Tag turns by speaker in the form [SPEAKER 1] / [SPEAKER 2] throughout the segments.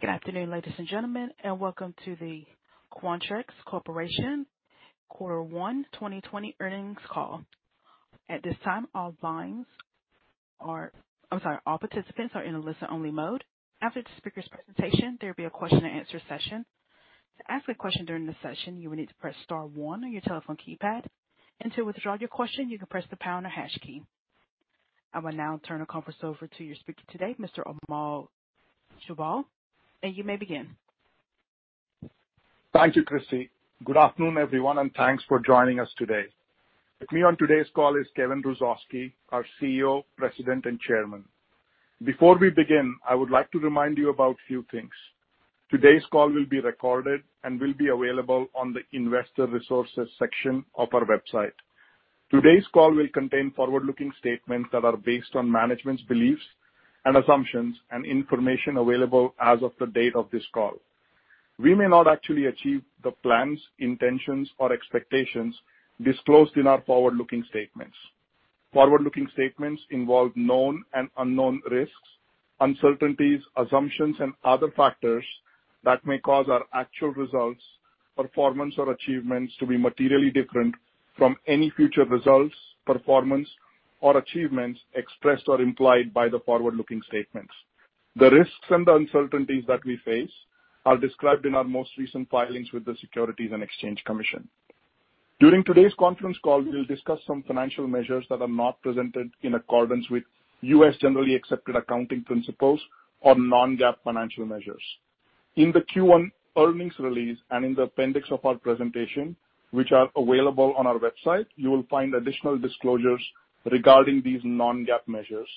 [SPEAKER 1] Good afternoon, ladies and gentlemen, welcome to the Quanterix Corporation Quarter One 2020 earnings call. At this time, I'm sorry, all participants are in a listen-only mode. After the speaker's presentation, there'll be a question and answer session. To ask a question during the session, you will need to press star one on your telephone keypad. To withdraw your question, you can press the pound or hash key. I will now turn the conference over to your speaker today, Mr. Amol Chaubal. You may begin.
[SPEAKER 2] Thank you, Christy. Good afternoon, everyone. Thanks for joining us today. With me on today's call is Kevin Hrusovsky, our CEO, President, and Chairman. Before we begin, I would like to remind you about a few things. Today's call will be recorded and will be available on the investor resources section of our website. Today's call will contain forward-looking statements that are based on management's beliefs and assumptions and information available as of the date of this call. We may not actually achieve the plans, intentions, or expectations disclosed in our forward-looking statements. Forward-looking statements involve known and unknown risks, uncertainties, assumptions, and other factors that may cause our actual results, performance, or achievements to be materially different from any future results, performance, or achievements expressed or implied by the forward-looking statements. The risks and uncertainties that we face are described in our most recent filings with the Securities and Exchange Commission. During today's conference call, we will discuss some financial measures that are not presented in accordance with U.S. generally accepted accounting principles or non-GAAP financial measures. In the Q1 earnings release and in the appendix of our presentation, which are available on our website, you will find additional disclosures regarding these non-GAAP measures,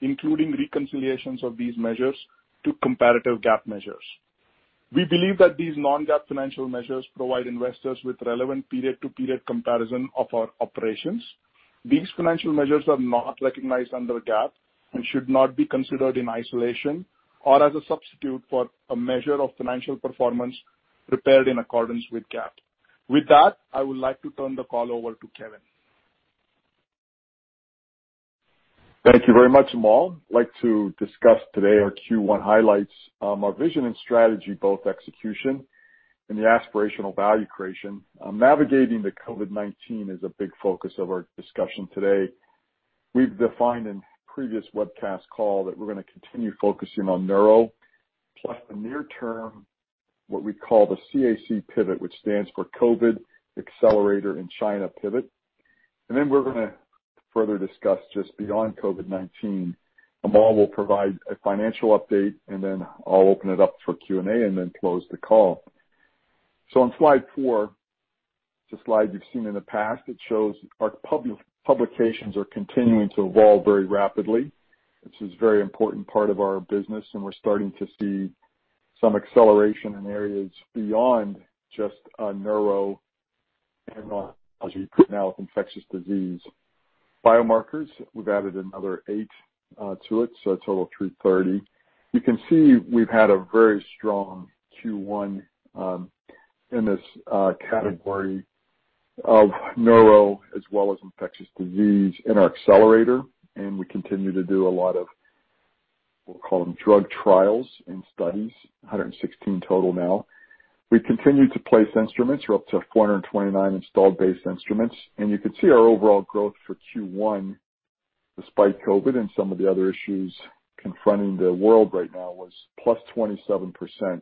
[SPEAKER 2] including reconciliations of these measures to comparative GAAP measures. We believe that these non-GAAP financial measures provide investors with relevant period-to-period comparison of our operations. These financial measures are not recognized under GAAP and should not be considered in isolation or as a substitute for a measure of financial performance prepared in accordance with GAAP. With that, I would like to turn the call over to Kevin.
[SPEAKER 3] Thank you very much, Amol. I'd like to discuss today our Q1 highlights, our vision and strategy, both execution and the aspirational value creation. Navigating the COVID-19 is a big focus of our discussion today. We've defined in previous webcast call that we're going to continue focusing on neuro, plus the near term, what we call the CAC pivot, which stands for COVID Accelerator in China pivot. We're going to further discuss just beyond COVID-19. Amol will provide a financial update, and then I'll open it up for Q&A and then close the call. On slide four, it's a slide you've seen in the past. It shows our publications are continuing to evolve very rapidly, which is a very important part of our business, and we're starting to see some acceleration in areas beyond just a neuro now with infectious disease biomarkers. We've added another eight to it, so a total of 330. You can see we've had a very strong Q1, in this category of neuro as well as infectious disease in our Accelerator, and we continue to do a lot of, we'll call them drug trials and studies, 116 total now. We continue to place instruments. We're up to 429 installed base instruments. You can see our overall growth for Q1, despite COVID-19 and some of the other issues confronting the world right now, was +27%.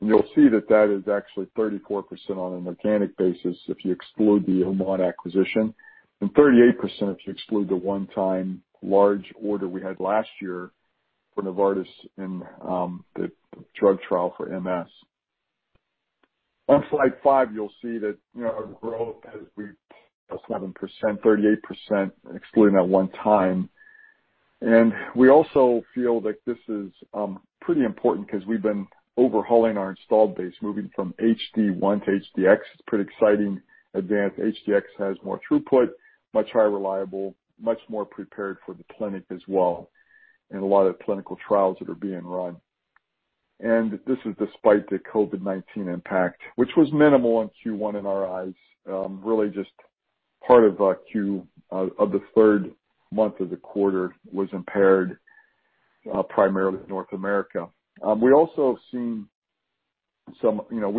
[SPEAKER 3] You'll see that that is actually 34% on an organic basis if you exclude the Uman acquisition, and 38% if you exclude the one-time large order we had last year for Novartis in the drug trial for MS. On slide five, you'll see that our growth has reached +7%, 38% excluding that one time. We also feel that this is pretty important because we've been overhauling our installed base, moving from HD-1 to HD-X. It's a pretty exciting advance. HD-X has more throughput, much higher reliable, much more prepared for the clinic as well, and a lot of clinical trials that are being run. This is despite the COVID-19 impact, which was minimal in Q1 in our eyes. Really just part of the third month of the quarter was impaired, primarily North America. We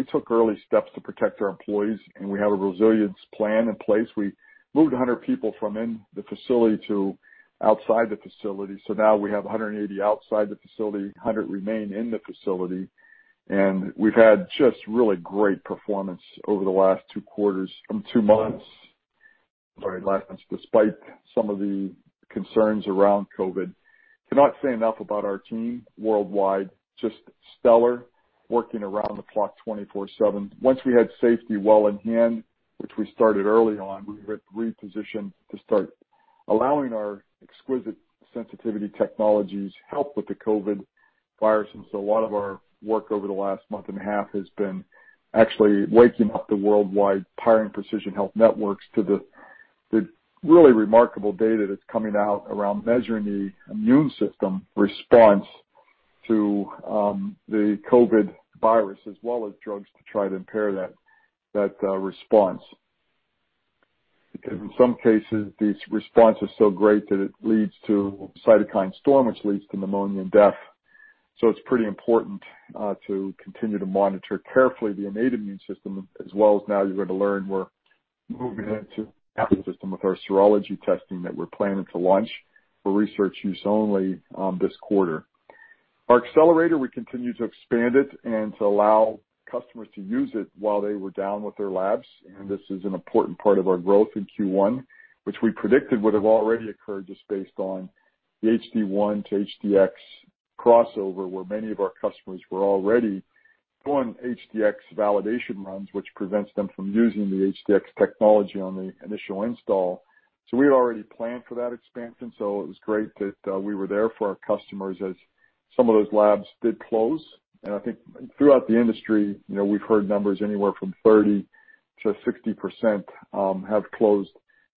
[SPEAKER 3] took early steps to protect our employees, and we have a resilience plan in place. We moved 100 people from in the facility to outside the facility. Now we have 180 outside the facility, 100 remain in the facility, and we've had just really great performance over the last two quarters, two months. Sorry, last months, despite some of the concerns around COVID. Cannot say enough about our team worldwide, just stellar, working around the clock 24/7. Once we had safety well in hand, which we started early on, we repositioned to start allowing our exquisite sensitivity technologies help with the COVID virus. A lot of our work over the last month and a half has been actually waking up the worldwide pioneering precision health networks to the really remarkable data that's coming out around measuring the immune system response to the COVID virus as well as drugs to try to impair that response. Because in some cases, the response is so great that it leads to cytokine storm, which leads to pneumonia and death. It's pretty important to continue to monitor carefully the innate immune system as well as now you're going to learn we're moving into the adaptive system with our serology testing that we're planning to launch for Research Use Only this quarter. Our Accelerator, we continue to expand it and to allow customers to use it while they were down with their labs. This is an important part of our growth in Q1, which we predicted would have already occurred just based on the HD-1 to HD-X crossover, where many of our customers were already doing HD-X validation runs, which prevents them from using the HD-X technology on the initial install. We had already planned for that expansion, so it was great that we were there for our customers as some of those labs did close. I think throughout the industry, we've heard numbers anywhere from 30%-60% have closed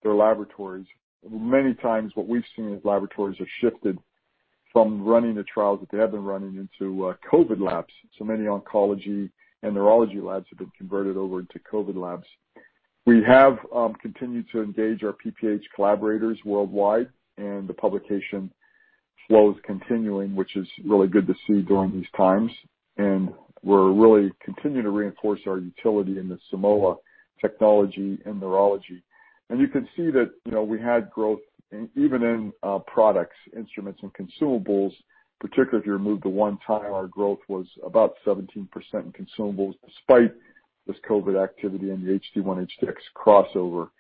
[SPEAKER 3] their laboratories. Many times what we've seen is laboratories have shifted from running the trials that they had been running into COVID labs. Many oncology and neurology labs have been converted over into COVID labs. We have continued to engage our PPH collaborators worldwide, and the publication flow is continuing, which is really good to see during these times. We're really continuing to reinforce our utility in the Simoa technology in neurology. You can see that we had growth even in products, instruments, and consumables, particularly if you remove the one-time, our growth was about 17% in consumables despite this COVID activity and the HD-1/HD-X crossover.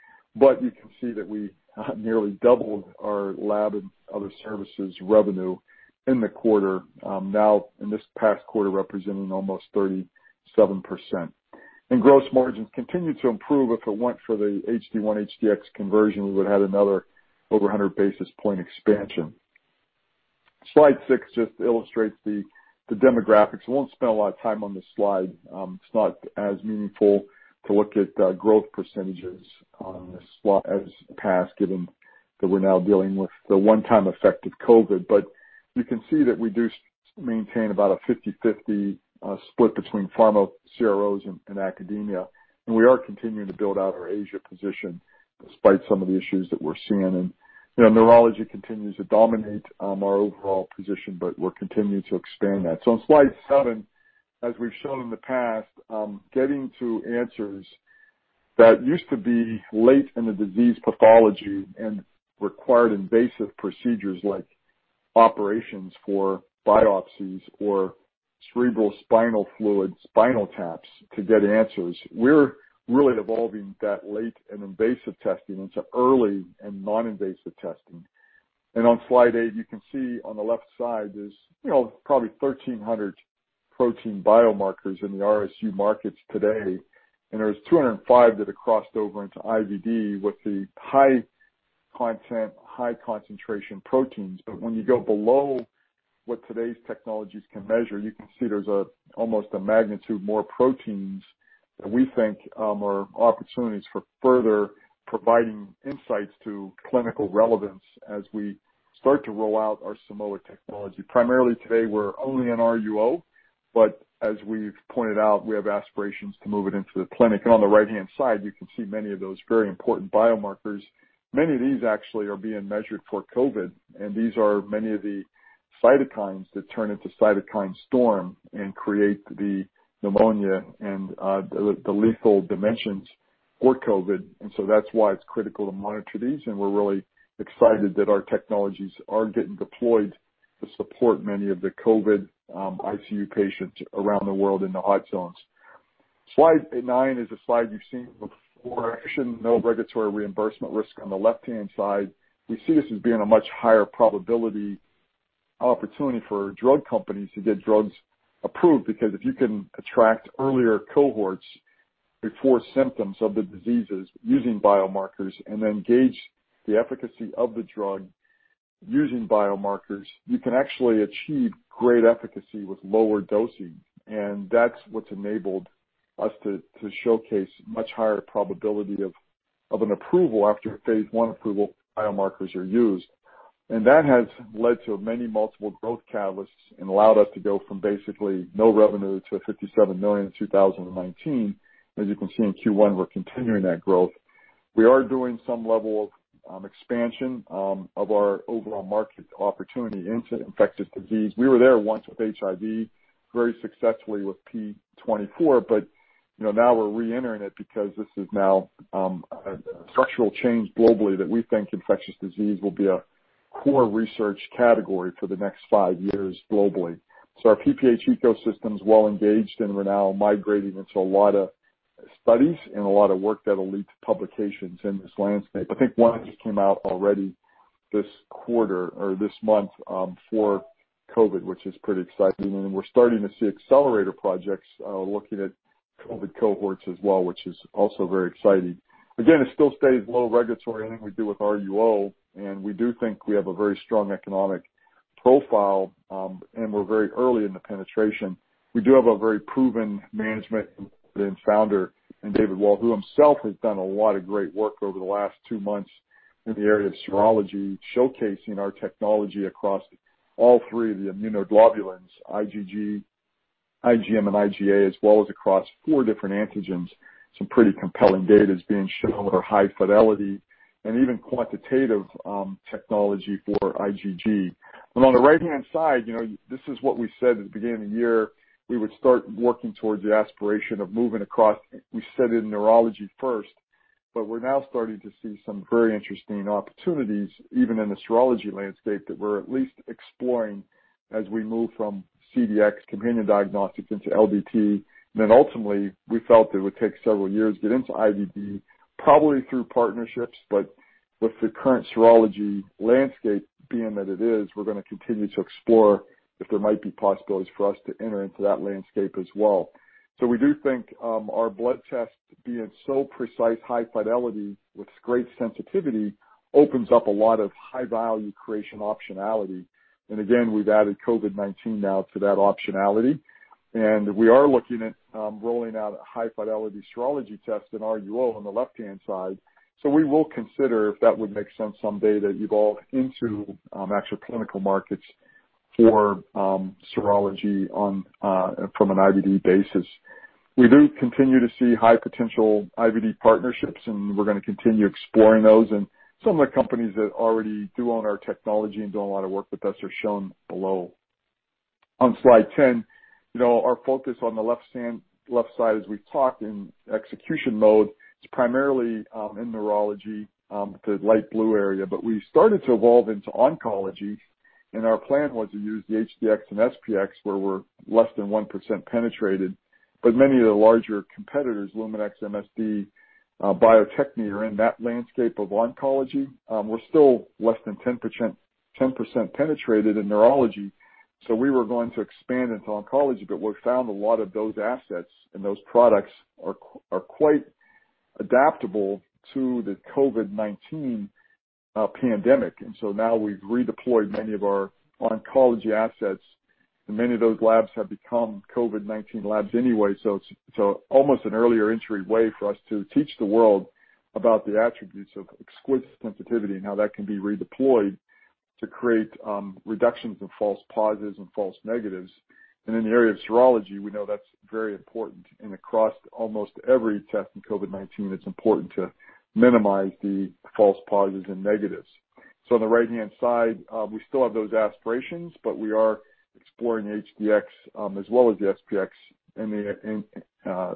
[SPEAKER 3] You can see that we nearly doubled our lab and other services revenue in the quarter, now in this past quarter representing almost 37%. Gross margins continued to improve. If it weren't for the HD-1/HD-X conversion, we would've had another over 100 basis point expansion. Slide six just illustrates the demographics. I won't spend a lot of time on this slide. It's not as meaningful to look at growth percentages on this slide as the past, given that we're now dealing with the one-time effect of COVID-19. You can see that we do maintain about a 50/50 split between pharma CROs and academia. We are continuing to build out our Asia position despite some of the issues that we're seeing. Neurology continues to dominate our overall position, but we're continuing to expand that. On slide seven, as we've shown in the past, getting to answers that used to be late in the disease pathology and required invasive procedures like operations for biopsies or cerebrospinal fluid spinal taps to get answers. On slide eight, you can see on the left side, there's probably 1,300 protein biomarkers in the RUO markets today, and there's 205 that have crossed over into IVD with the high content, high concentration proteins. When you go below what today's technologies can measure, you can see there's almost a magnitude more proteins that we think are opportunities for further providing insights to clinical relevance as we start to roll out our Simoa technology. Primarily today, we're only in RUO, but as we've pointed out, we have aspirations to move it into the clinic. On the right-hand side, you can see many of those very important biomarkers. Many of these actually are being measured for COVID, and these are many of the cytokines that turn into cytokine storm and create the pneumonia and the lethal dimensions for COVID. That's why it's critical to monitor these, and we're really excited that our technologies are getting deployed to support many of the COVID ICU patients around the world in the hot zones. Slide nine is a slide you've seen before. Actually, no regulatory reimbursement risk on the left-hand side. We see this as being a much higher probability opportunity for drug companies to get drugs approved, because if you can attract earlier cohorts before symptoms of the diseases using biomarkers and then gauge the efficacy of the drug using biomarkers, you can actually achieve great efficacy with lower dosing. That's what's enabled us to showcase much higher probability of an approval after phase I approval if biomarkers are used. That has led to many multiple growth catalysts and allowed us to go from basically no revenue to $57 million in 2019. As you can see in Q1, we're continuing that growth. We are doing some level of expansion of our overall market opportunity into infectious disease. We were there once with HIV, very successfully with p24, but now we're re-entering it because this is now a structural change globally that we think infectious disease will be a core research category for the next five years globally. Our PPH ecosystem is well engaged, and we're now migrating into a lot of studies and a lot of work that'll lead to publications in this landscape. I think one just came out already this quarter or this month for COVID, which is pretty exciting. We're starting to see Accelerator projects looking at COVID cohorts as well, which is also very exciting. It still stays low regulatory, anything we do with RUO, and we do think we have a very strong economic profile, and we're very early in the penetration. We do have a very proven management founder in David Walt, who himself has done a lot of great work over the last two months in the area of serology, showcasing our technology across all three of the immunoglobulins, IgG, IgM and IgA, as well as across four different antigens. Some pretty compelling data is being shown with our high fidelity and even quantitative technology for IgG. On the right-hand side, this is what we said at the beginning of the year, we would start working towards the aspiration of moving across, we said in neurology first, but we're now starting to see some very interesting opportunities, even in the serology landscape, that we're at least exploring as we move from CDx companion diagnostics into LDT. Ultimately, we felt it would take several years to get into IVD, probably through partnerships. With the current serology landscape being that it is, we're going to continue to explore if there might be possibilities for us to enter into that landscape as well. We do think our blood tests, being so precise, high fidelity with great sensitivity, opens up a lot of high-value creation optionality. Again, we've added COVID-19 now to that optionality. We are looking at rolling out a high-fidelity serology test in RUO on the left-hand side. We will consider, if that would make sense someday, to evolve into actual clinical markets for serology from an IVD basis. We do continue to see high-potential IVD partnerships, and we're going to continue exploring those. Some of the companies that already do own our technology and do a lot of work with us are shown below. On slide 10, our focus on the left side, as we've talked, in execution mode, is primarily in neurology, the light blue area. We started to evolve into oncology, and our plan was to use the HD-X and SP-X, where we're less than 1% penetrated. Many of the larger competitors, Luminex, MSD, Bio-Techne, are in that landscape of oncology. We're still less than 10% penetrated in neurology. We were going to expand into oncology. We found a lot of those assets and those products are quite adaptable to the COVID-19 pandemic. Now we've redeployed many of our oncology assets. Many of those labs have become COVID-19 labs anyway. It's almost an earlier entry way for us to teach the world about the attributes of exquisite sensitivity and how that can be redeployed to create reductions in false positives and false negatives. In the area of serology, we know that's very important. Across almost every test in COVID-19, it's important to minimize the false positives and negatives. On the right-hand side, we still have those aspirations, but we are exploring HD-X as well as the SP-X in the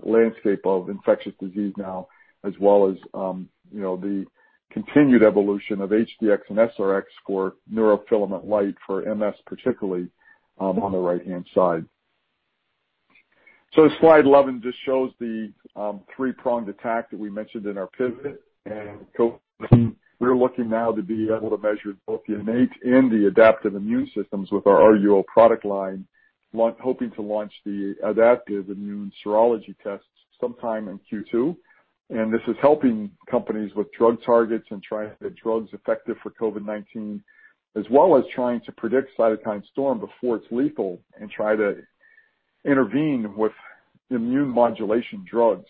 [SPEAKER 3] landscape of infectious disease now, as well as the continued evolution of HD-X and SR-X for Neurofilament light for MS, particularly on the right-hand side. Slide 11 just shows the three-pronged attack that we mentioned in our pivot. We're looking now to be able to measure both the innate and the adaptive immune systems with our RUO product line, hoping to launch the adaptive immune serology tests sometime in Q2. This is helping companies with drug targets and trying to get drugs effective for COVID-19, as well as trying to predict cytokine storm before it's lethal and try to intervene with immune modulation drugs.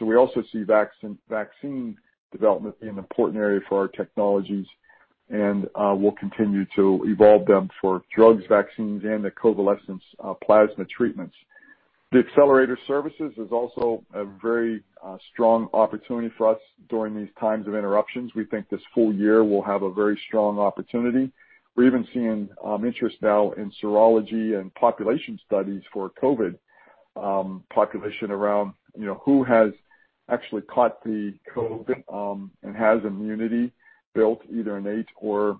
[SPEAKER 3] We also see vaccine development being an important area for our technologies, and we'll continue to evolve them for drugs, vaccines, and the convalescent plasma treatments. The accelerator services is also a very strong opportunity for us during these times of interruptions. We think this full year will have a very strong opportunity. We're even seeing interest now in serology and population studies for COVID-19, population around who has actually caught the COVID-19 and has immunity built, either innate or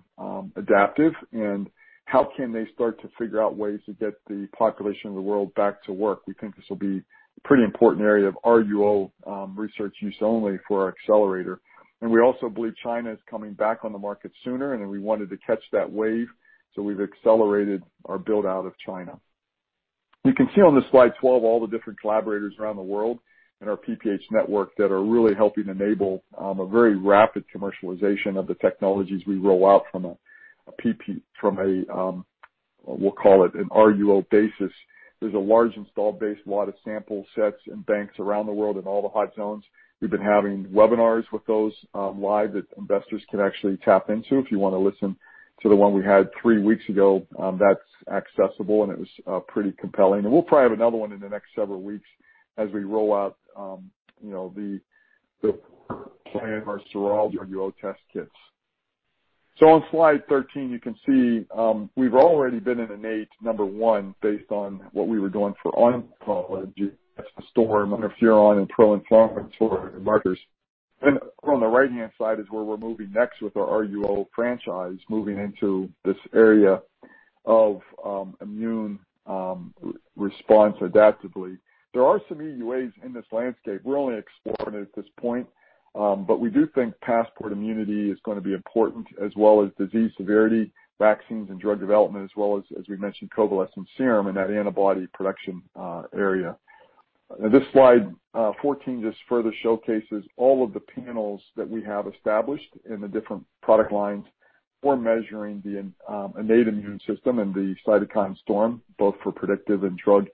[SPEAKER 3] adaptive, and how can they start to figure out ways to get the population of the world back to work. We think this will be a pretty important area of RUO, research use only, for our accelerator. We also believe China is coming back on the market sooner, and we wanted to catch that wave, so we've accelerated our build-out of China. You can see on the slide 12 all the different collaborators around the world and our PPH network that are really helping enable a very rapid commercialization of the technologies we roll out from a, we'll call it an RUO basis. There's a large install base, a lot of sample sets and banks around the world in all the hot zones. We've been having webinars with those live that investors can actually tap into. If you want to listen to the one we had three weeks ago, that's accessible, and it was pretty compelling. We'll probably have another one in the next several weeks as we roll out the plan, our serology RUO test kits. On slide 13, you can see we've already been an innate number one based on what we were doing for oncology. That's the storm, interferon, and pro-inflammatory markers. On the right-hand side is where we're moving next with our RUO franchise, moving into this area of immune response adaptively. There are some EUAs in this landscape. We're only exploring it at this point. We do think passport immunity is going to be important, as well as disease severity, vaccines, and drug development, as well as we mentioned, convalescent serum in that antibody production area. This slide 14 just further showcases all of the panels that we have established in the different product lines. We're measuring the innate immune system and the cytokine storm, both for predictive and drug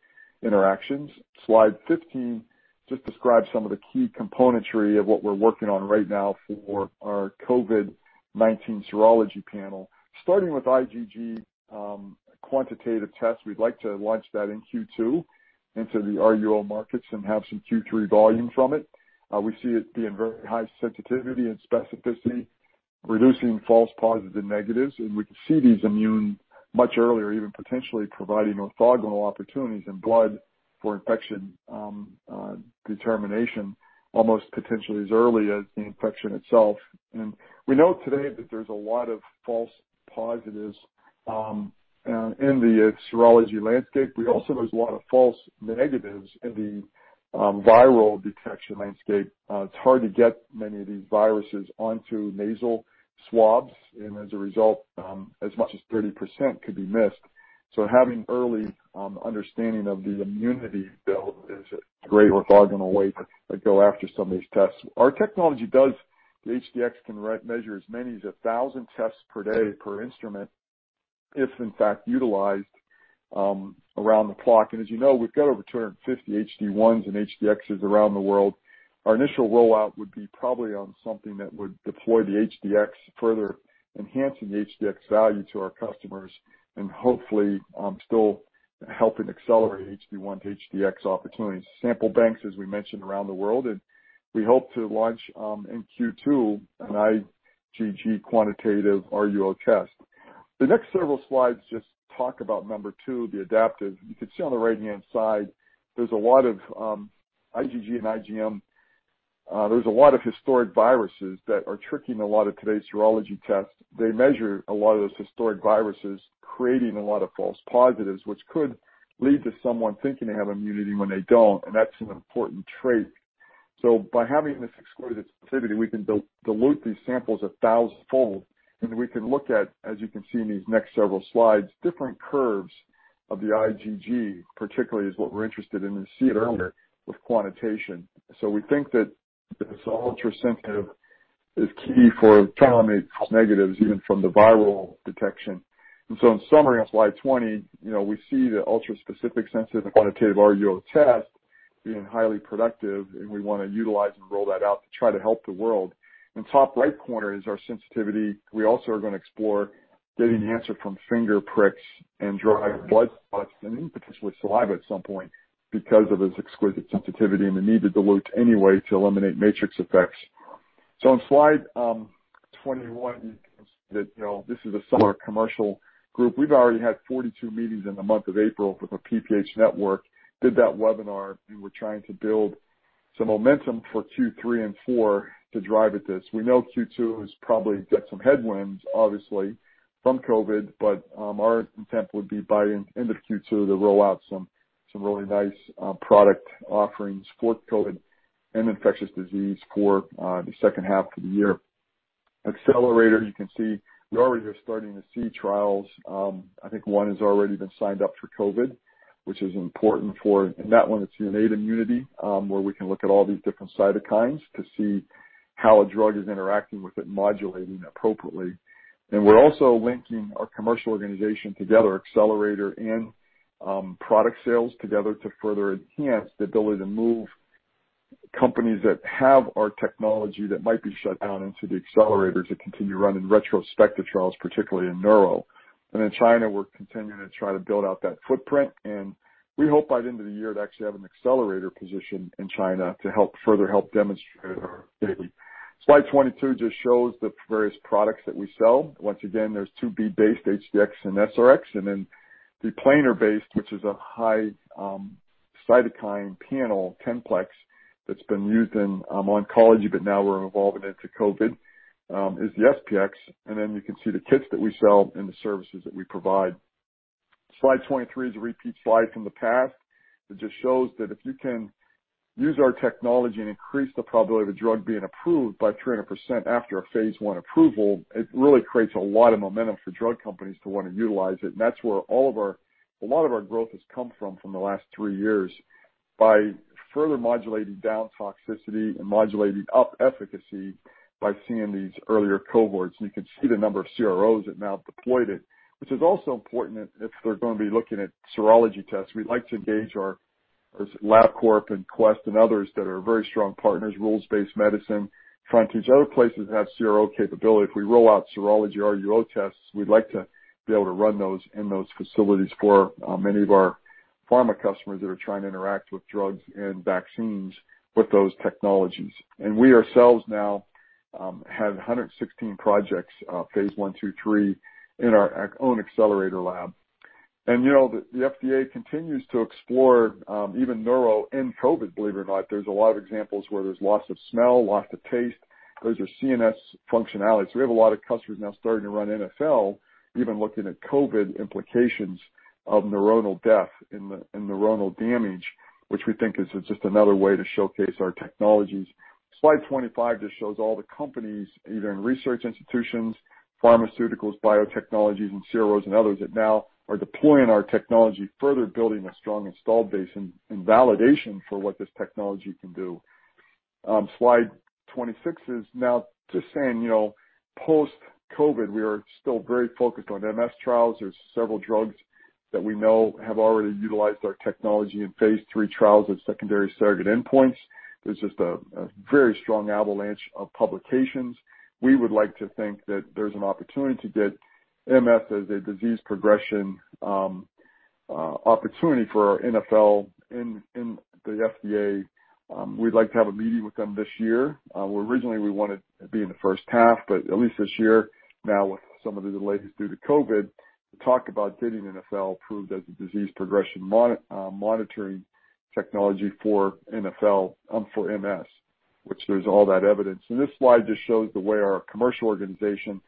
[SPEAKER 3] interactions. Slide 15 just describes some of the key componentry of what we're working on right now for our COVID-19 serology panel. Starting with IgG quantitative tests, we'd like to launch that in Q2 into the RUO markets and have some Q3 volume from it. We see it being very high sensitivity and specificity, reducing false positives and negatives, and we can see these immune much earlier, even potentially providing orthogonal opportunities in blood for infection determination, almost potentially as early as the infection itself. We know today that there's a lot of false positives in the serology landscape. We also know there's a lot of false negatives in the viral detection landscape. It's hard to get many of these viruses onto nasal swabs, and as a result, as much as 30% could be missed. Having early understanding of the immunity built is a great orthogonal way to go after some of these tests. Our technology does, the HD-X can measure as many as 1,000 tests per day per instrument if, in fact, utilized around the clock. As you know, we've got over 250 HD-1s and HD-Xs around the world. Our initial rollout would be probably on something that would deploy the HD-X, further enhancing the HD-X value to our customers and hopefully still helping accelerate HD-1 to HD-X opportunities. Sample banks, as we mentioned, around the world. We hope to launch in Q2 an IgG quantitative RUO test. The next several slides just talk about number two, the adaptive. You can see on the right-hand side, there's a lot of IgG and IgM. There's a lot of historic viruses that are tricking a lot of today's serology tests. They measure a lot of those historic viruses, creating a lot of false positives, which could lead to someone thinking they have immunity when they don't. That's an important trait. By having this exquisite sensitivity, we can dilute these samples a 1,000-fold, and we can look at, as you can see in these next several slides, different curves of the IgG, particularly is what we're interested in, and see it earlier with quantitation. We think that this ultra-sensitive is key for telling these negatives, even from the viral detection. In summary, on slide 20, we see the ultra-specific sensitive and quantitative RUO test being highly productive, and we want to utilize and roll that out to try to help the world. In the top right corner is our sensitivity. We also are going to explore getting the answer from finger pricks and dry blood spots and even potentially saliva at some point because of its exquisite sensitivity and the need to dilute anyway to eliminate matrix effects. On slide 21, you can see that this is a summer commercial group. We've already had 42 meetings in the month of April with our PPH network, did that webinar, and we're trying to build some momentum for Q3 and Q4 to drive at this. We know Q2 has probably got some headwinds, obviously, from COVID-19, but our intent would be by end of Q2 to roll out some really nice product offerings for COVID-19 and infectious disease for the second half of the year. Accelerator, you can see we already are starting to see trials. I think one has already been signed up for COVID-19, which is important, and that one, it's innate immunity, where we can look at all these different cytokines to see how a drug is interacting with it and modulating it appropriately. We're also linking our commercial organization together, accelerator and product sales together, to further enhance the ability to move companies that have our technology that might be shut down into the accelerator to continue running retrospective trials, particularly in Neuro. In China, we're continuing to try to build out that footprint, and we hope by the end of the year to actually have an accelerator position in China to further help demonstrate our ability. Slide 22 just shows the various products that we sell. Once again, there's bead-based HD-X and SR-X, and then the planar-based, which is a high cytokine panel 10-plex that's been used in oncology, but now we're evolving it to COVID-19, is the SP-X. Then you can see the kits that we sell and the services that we provide. Slide 23 is a repeat slide from the past. It just shows that if you can use our technology and increase the probability of a drug being approved by 300% after a phase I approval, it really creates a lot of momentum for drug companies to want to utilize it, and that's where a lot of our growth has come from the last three years. By further modulating down toxicity and modulating up efficacy by seeing these earlier cohorts, and you can see the number of CROs that now deployed it, which is also important if they're going to be looking at serology tests. We'd like to engage our LabCorp and Quest and others that are very strong partners, Rules-Based Medicine, trying to reach other places that have CRO capability. If we roll out serology RUO tests, we'd like to be able to run those in those facilities for many of our pharma customers that are trying to interact with drugs and vaccines with those technologies. We ourselves now have 116 projects, phase I, II, III, in our own accelerator lab. The FDA continues to explore even neuro in COVID, believe it or not. There's a lot of examples where there's loss of smell, loss of taste. Those are CNS functionalities. We have a lot of customers now starting to run NfL, even looking at COVID implications of neuronal death and neuronal damage, which we think is just another way to showcase our technologies. Slide 25 just shows all the companies, either in research institutions, pharmaceuticals, biotechnologies, and CROs and others that now are deploying our technology, further building a strong install base and validation for what this technology can do. Slide 26 is now just saying, post-COVID, we are still very focused on MS trials. There's several drugs that we know have already utilized our technology in phase III trials as secondary surrogate endpoints. There's just a very strong avalanche of publications. We would like to think that there's an opportunity to get MS as a disease progression opportunity for our NfL in the FDA. We'd like to have a meeting with them this year. Originally, we wanted to be in the first half, but at least this year, now with some of the delays due to COVID, to talk about getting NfL approved as a disease progression monitoring technology for NfL for MS, which there's all that evidence. This slide just shows the way our commercial organization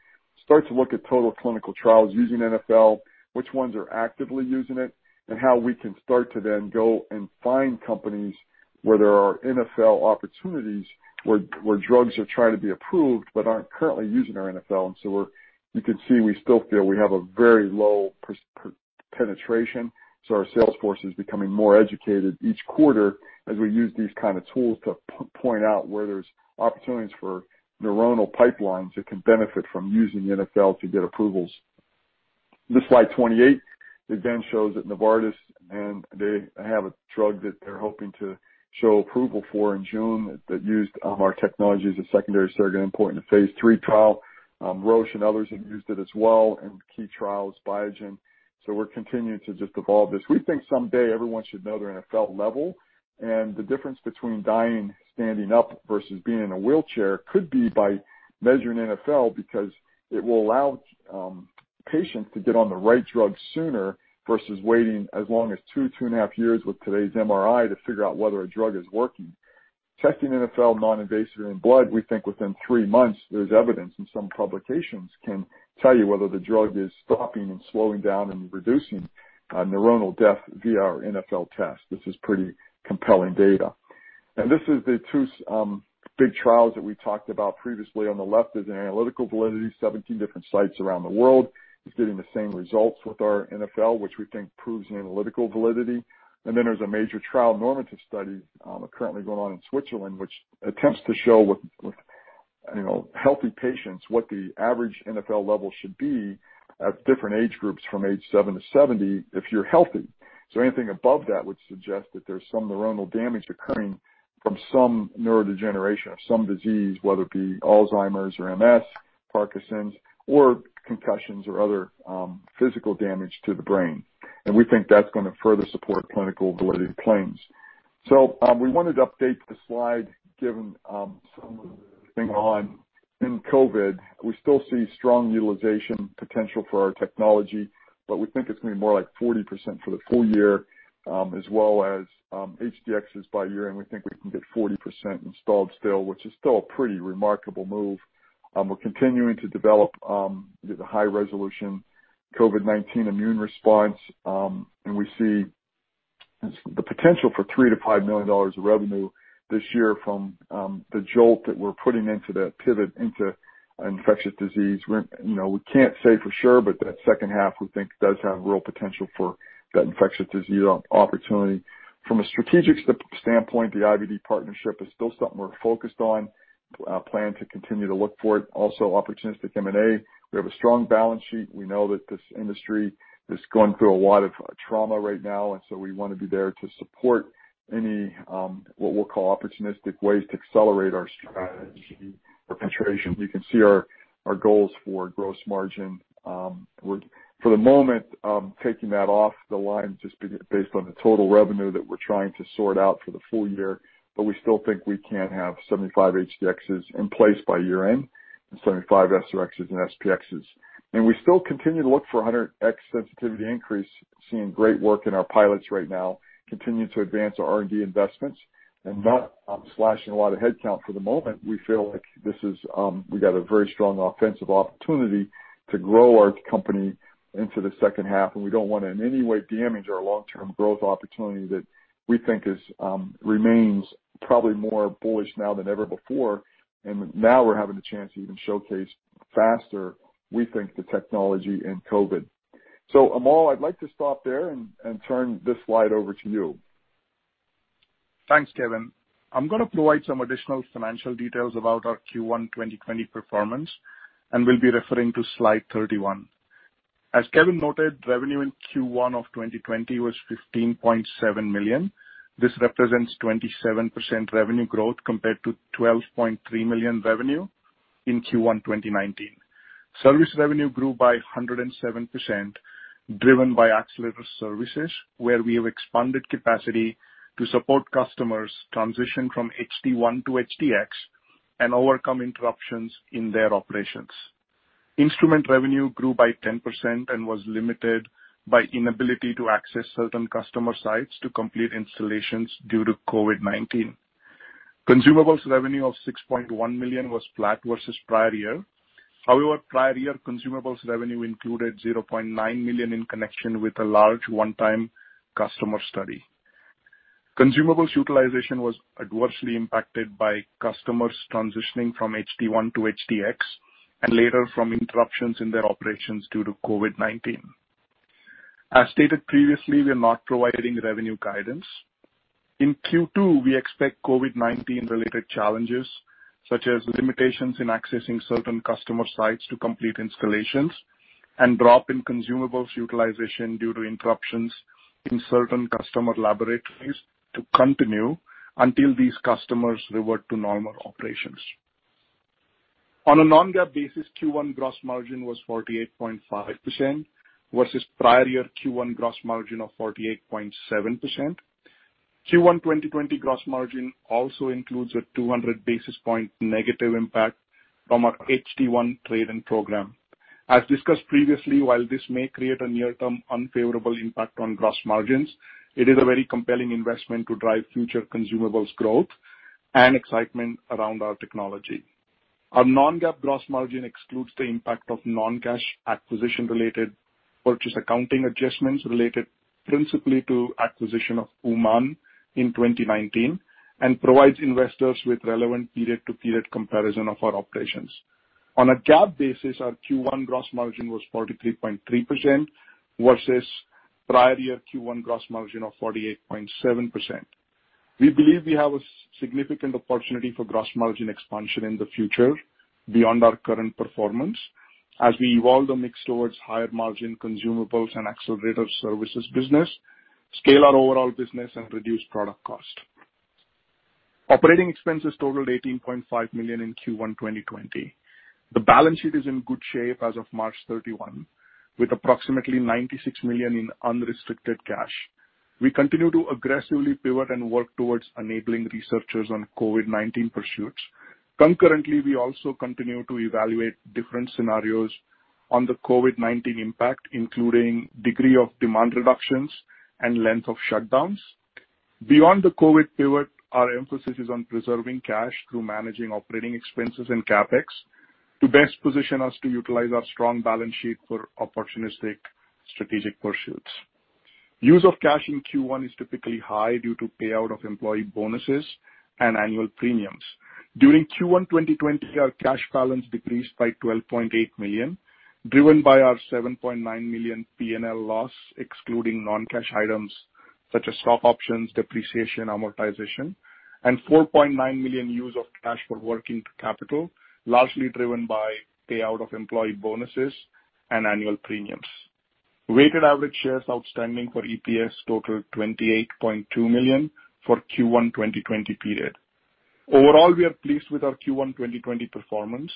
[SPEAKER 3] starts to look at total clinical trials using NfL, which ones are actively using it, and how we can start to then go and find companies where there are NfL opportunities, where drugs are trying to be approved but aren't currently using our NfL. You can see, we still feel we have a very low penetration. Our sales force is becoming more educated each quarter as we use these kind of tools to point out where there's opportunities for neuronal pipelines that can benefit from using NfL to get approvals. This slide 28, again, shows that Novartis, they have a drug that they're hoping to show approval for in June that used our technology as a secondary surrogate endpoint in a phase III trial. Roche and others have used it as well in key trials, Biogen. We're continuing to just evolve this. We think someday everyone should know their NfL level, and the difference between dying standing up versus being in a wheelchair could be by measuring NfL because it will allow patients to get on the right drug sooner versus waiting as long as two and a half years with today's MRI to figure out whether a drug is working. Testing NfL non-invasively in blood, we think within three months, there's evidence, and some publications can tell you whether the drug is stopping and slowing down and reducing neuronal death via our NfL test. This is pretty compelling data. This is the two big trials that we talked about previously. On the left is an analytical validity, 17 different sites around the world. It's getting the same results with our NfL, which we think proves analytical validity. There's a major trial normative study currently going on in Switzerland, which attempts to show with healthy patients, what the average NfL level should be at different age groups from age seven to 70 if you're healthy. Anything above that would suggest that there's some neuronal damage occurring from some neurodegeneration or some disease, whether it be Alzheimer's or MS, Parkinson's or concussions or other physical damage to the brain. We think that's going to further support clinical validity claims. We wanted to update the slide given some of the things going on in COVID. We still see strong utilization potential for our technology, but we think it's going to be more like 40% for the full year as well as HD-X by year-end. We think we can get 40% installed still, which is still a pretty remarkable move. We're continuing to develop the high-resolution COVID-19 immune response, and we see the potential for $3 million-$5 million of revenue this year from the jolt that we're putting into that pivot into infectious disease. We can't say for sure, but that second half, we think, does have real potential for that infectious disease opportunity. From a strategic standpoint, the IVD partnership is still something we're focused on. Plan to continue to look for it. Opportunistic M&A. We have a strong balance sheet. We know that this industry is going through a lot of trauma right now, and so we want to be there to support any, what we'll call opportunistic ways to accelerate our strategy for penetration. You can see our goals for gross margin. For the moment, taking that off the line just based on the total revenue that we're trying to sort out for the full year. We still think we can have 75 HD-Xs in place by year-end and 75 SR-Xs and SP-Xs. We still continue to look for 100x sensitivity increase, seeing great work in our pilots right now, continuing to advance our R&D investments and not slashing a lot of headcount for the moment. We feel like we got a very strong offensive opportunity to grow our company into the second half, and we don't want to in any way damage our long-term growth opportunity that we think remains probably more bullish now than ever before. Now we're having the chance to even showcase faster, we think, the technology in COVID. Amol, I'd like to stop there and turn this slide over to you.
[SPEAKER 2] Thanks, Kevin. I'm going to provide some additional financial details about our Q1 2020 performance, and we'll be referring to slide 31. As Kevin noted, revenue in Q1 2020 was $15.7 million. This represents 27% revenue growth compared to $12.3 million revenue in Q1 2019. Service revenue grew by 107%, driven by accelerator services, where we have expanded capacity to support customers transition from HD-1 to HD-X and overcome interruptions in their operations. Instrument revenue grew by 10% and was limited by inability to access certain customer sites to complete installations due to COVID-19. Consumables revenue of $6.1 million was flat versus prior year. Prior year consumables revenue included $0.9 million in connection with a large one-time customer study. Consumables utilization was adversely impacted by customers transitioning from HD-1 to HD-X and later from interruptions in their operations due to COVID-19. As stated previously, we are not providing revenue guidance. In Q2, we expect COVID-19 related challenges, such as limitations in accessing certain customer sites to complete installations and drop in consumables utilization due to interruptions in certain customer laboratories to continue until these customers revert to normal operations. On a non-GAAP basis, Q1 gross margin was 48.5% versus prior year Q1 gross margin of 48.7%. Q1 2020 gross margin also includes a 200 basis point negative impact from our HD-1 trade-in program. As discussed previously, while this may create a near-term unfavorable impact on gross margins, it is a very compelling investment to drive future consumables growth and excitement around our technology. Our non-GAAP gross margin excludes the impact of non-cash acquisition related purchase accounting adjustments related principally to acquisition of Uman in 2019, and provides investors with relevant period-to-period comparison of our operations. On a GAAP basis, our Q1 gross margin was 43.3% versus prior year Q1 gross margin of 48.7%. We believe we have a significant opportunity for gross margin expansion in the future beyond our current performance, as we evolve the mix towards higher margin consumables and accelerator services business, scale our overall business, and reduce product cost. Operating expenses totaled $18.5 million in Q1 2020. The balance sheet is in good shape as of March 31, with approximately $96 million in unrestricted cash. We continue to aggressively pivot and work towards enabling researchers on COVID-19 pursuits. Concurrently, we also continue to evaluate different scenarios on the COVID-19 impact, including degree of demand reductions and length of shutdowns. Beyond the COVID pivot, our emphasis is on preserving cash through managing operating expenses and CapEx to best position us to utilize our strong balance sheet for opportunistic strategic pursuits. Use of cash in Q1 is typically high due to payout of employee bonuses and annual premiums. During Q1 2020, our cash balance decreased by $12.8 million, driven by our $7.9 million P&L loss, excluding non-cash items such as stock options, depreciation, amortization, and $4.9 million use of cash for working capital, largely driven by payout of employee bonuses and annual premiums. Weighted average shares outstanding for EPS totaled 28.2 million for Q1 2020 period. Overall, we are pleased with our Q1 2020 performance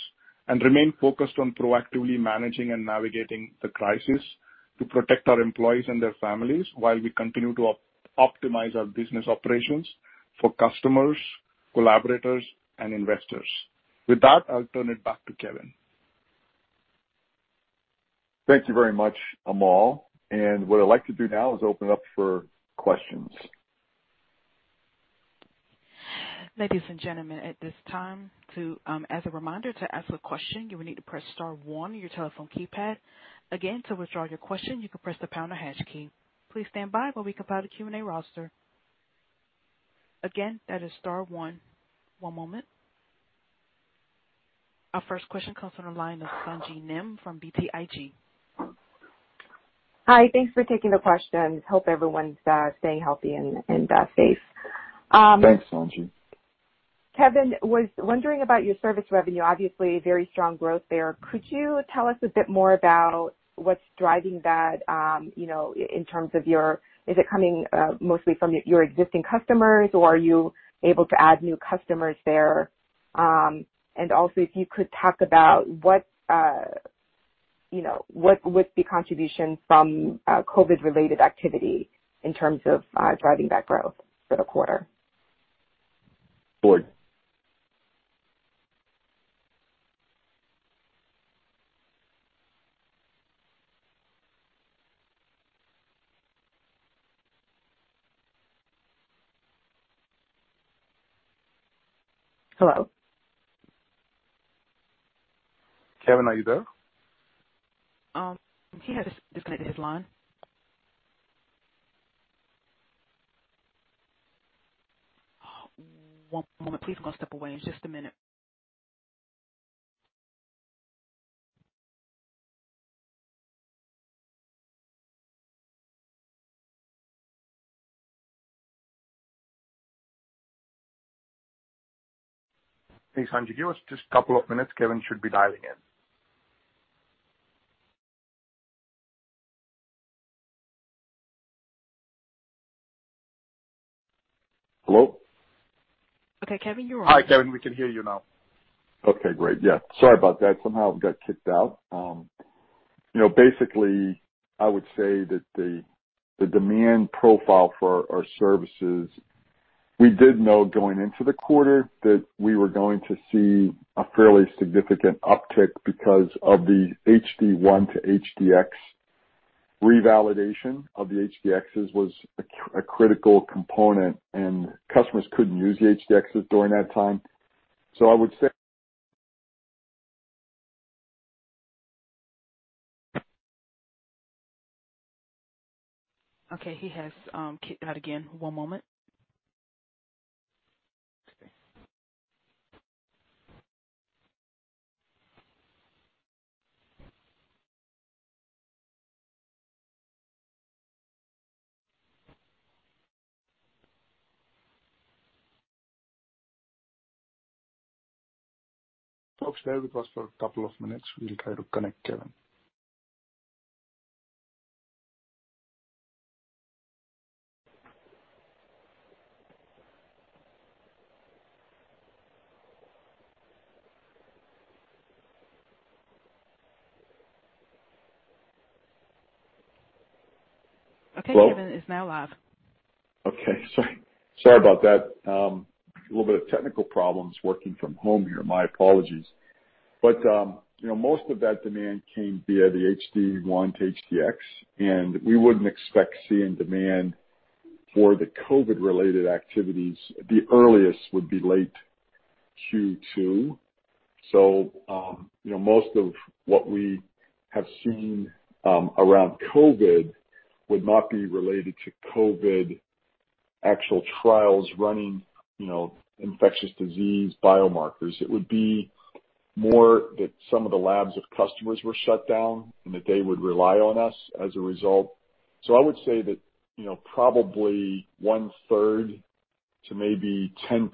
[SPEAKER 2] and remain focused on proactively managing and navigating the crisis to protect our employees and their families while we continue to optimize our business operations for customers, collaborators, and investors. With that, I'll turn it back to Kevin.
[SPEAKER 3] Thank you very much, Amol, and what I'd like to do now is open up for questions.
[SPEAKER 1] Ladies and gentlemen, at this time, as a reminder, to ask a question, you will need to press star one on your telephone keypad. Again, to withdraw your question, you can press the pound or hash key. Please stand by while we compile the Q&A roster. Again, that is star one. One moment. Our first question comes from the line of Sung Ji Nam from BTIG.
[SPEAKER 4] Hi. Thanks for taking the questions. Hope everyone's staying healthy and safe.
[SPEAKER 3] Thanks, Sung Ji.
[SPEAKER 4] Kevin, was wondering about your service revenue, obviously very strong growth there. Could you tell us a bit more about what's driving that, in terms of is it coming mostly from your existing customers, or are you able to add new customers there? Also, if you could talk about what's the contribution from COVID-related activity in terms of driving that growth for the quarter?
[SPEAKER 3] Sure.
[SPEAKER 1] Hello?
[SPEAKER 2] Kevin, are you there?
[SPEAKER 1] He has disconnected his line. One moment please. I'm going to step away just a minute.
[SPEAKER 2] Hey, Sung Ji, give us just a couple of minutes. Kevin should be dialing in. Hello?
[SPEAKER 1] Okay, Kevin, you're on.
[SPEAKER 2] Hi, Kevin. We can hear you now.
[SPEAKER 3] Okay, great. Yeah, sorry about that. Somehow I got kicked out. Basically, I would say that the demand profile for our services, we did know going into the quarter that we were going to see a fairly significant uptick because of the HD-1 to HD-X revalidation of the HD-Xs was a critical component, and customers couldn't use the HD-Xs during that time.
[SPEAKER 1] Okay, he has kicked out again. One moment.
[SPEAKER 2] Folks, bear with us for a couple of minutes. We'll try to connect Kevin.
[SPEAKER 1] Okay.
[SPEAKER 3] Hello?
[SPEAKER 1] Kevin is now live.
[SPEAKER 3] Okay. Sorry about that. A little bit of technical problems working from home here. My apologies. Most of that demand came via the HD1 to HDX, and we wouldn't expect seeing demand for the COVID-related activities, the earliest would be late Q2. Most of what we have seen around COVID would not be related to COVID actual trials running infectious disease biomarkers. It would be more that some of the labs of customers were shut down, and that they would rely on us as a result. I would say that probably one-third to maybe 10%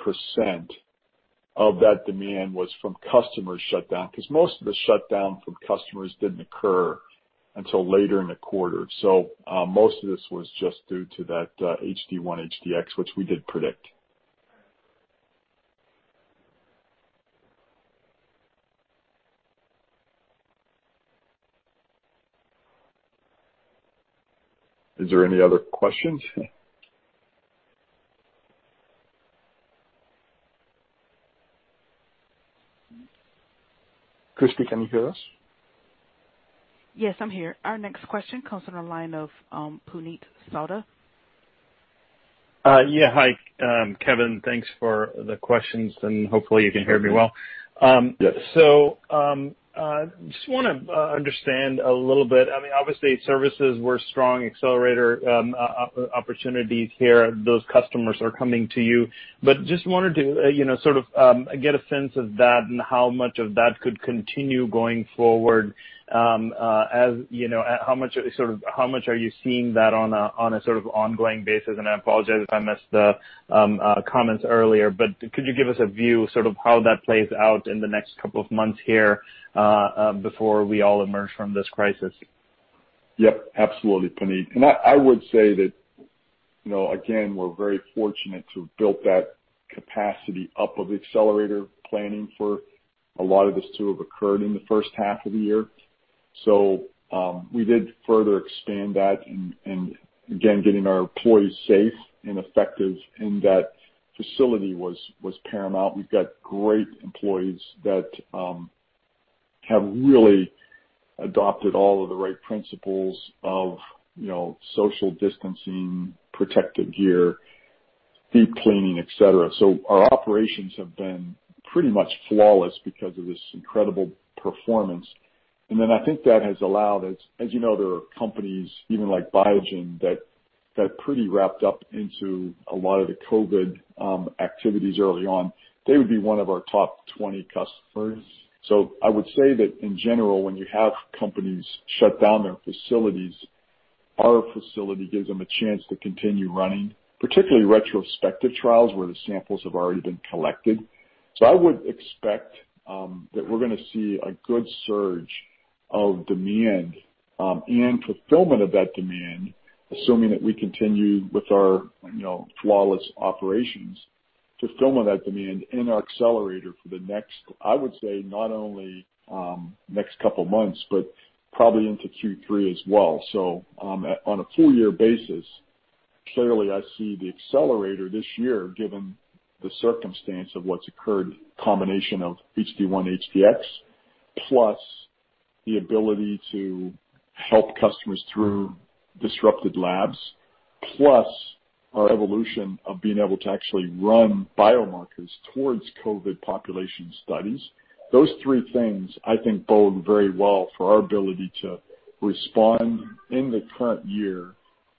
[SPEAKER 3] of that demand was from customers shut down, because most of the shutdown from customers didn't occur until later in the quarter. Most of this was just due to that HD1, HDX, which we did predict. Is there any other questions?
[SPEAKER 2] Christy, can you hear us?
[SPEAKER 1] Yes, I'm here. Our next question comes from the line of Puneet Souda.
[SPEAKER 5] Yeah. Hi, Kevin. Thanks for the questions, and hopefully you can hear me well.
[SPEAKER 3] Yes.
[SPEAKER 5] Just want to understand a little bit. Obviously, services were strong, accelerator opportunities here, those customers are coming to you. Just wanted to get a sense of that and how much of that could continue going forward. How much are you seeing that on a sort of ongoing basis? I apologize if I missed the comments earlier, but could you give us a view, sort of how that plays out in the next couple of months here, before we all emerge from this crisis?
[SPEAKER 3] Yep, absolutely, Puneet. I would say that, again, we're very fortunate to have built that capacity up of accelerator planning for a lot of this to have occurred in the first half of the year. We did further expand that, and again, getting our employees safe and effective in that facility was paramount. We've got great employees that have really adopted all of the right principles of social distancing, protective gear, deep cleaning, et cetera. Our operations have been pretty much flawless because of this incredible performance. I think that has allowed us, as you know, there are companies even like Biogen that pretty wrapped up into a lot of the COVID activities early on. They would be one of our top 20 customers. I would say that in general, when you have companies shut down their facilities, our facility gives them a chance to continue running, particularly retrospective trials where the samples have already been collected. I would expect that we're going to see a good surge of demand, and fulfillment of that demand, assuming that we continue with our flawless operations, fulfillment of that demand in our accelerator for the next, I would say, not only next couple of months, but probably into Q3 as well. On a full year basis, clearly I see the accelerator this year, given the circumstance of what's occurred, combination of HD-1, HD-X, plus the ability to help customers through disrupted labs, plus our evolution of being able to actually run biomarkers towards COVID population studies. Those three things I think bode very well for our ability to respond in the current year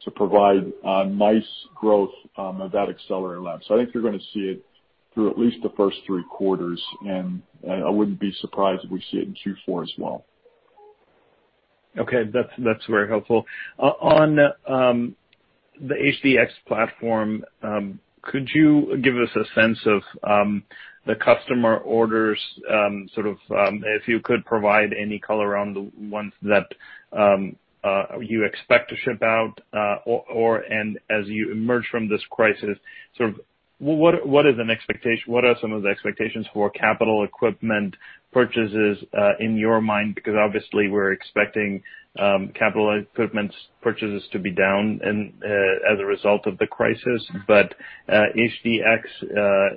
[SPEAKER 3] to provide a nice growth of that accelerator lab. I think you're going to see it through at least the first three quarters, and I wouldn't be surprised if we see it in Q4 as well.
[SPEAKER 5] Okay. That's very helpful. On the HD-X platform, could you give us a sense of the customer orders, sort of, if you could provide any color on the ones that you expect to ship out? As you emerge from this crisis, sort of, what are some of the expectations for capital equipment purchases, in your mind? Obviously we're expecting capital equipment purchases to be down as a result of the crisis. HD-X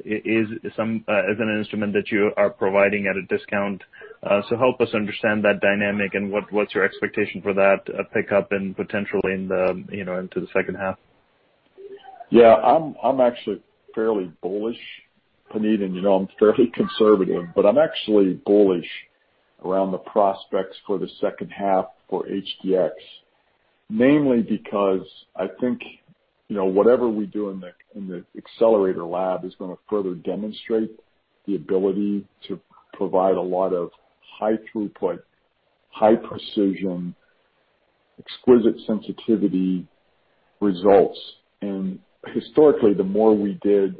[SPEAKER 5] is an instrument that you are providing at a discount. Help us understand that dynamic and what's your expectation for that pickup and potentially into the second half?
[SPEAKER 3] Yeah. I'm actually fairly bullish, Puneet, you know I'm fairly conservative. I'm actually bullish around the prospects for the second half for HD-X. Mainly because I think whatever we do in the accelerator lab is going to further demonstrate the ability to provide a lot of high throughput, high precision, exquisite sensitivity results. Historically, the more we did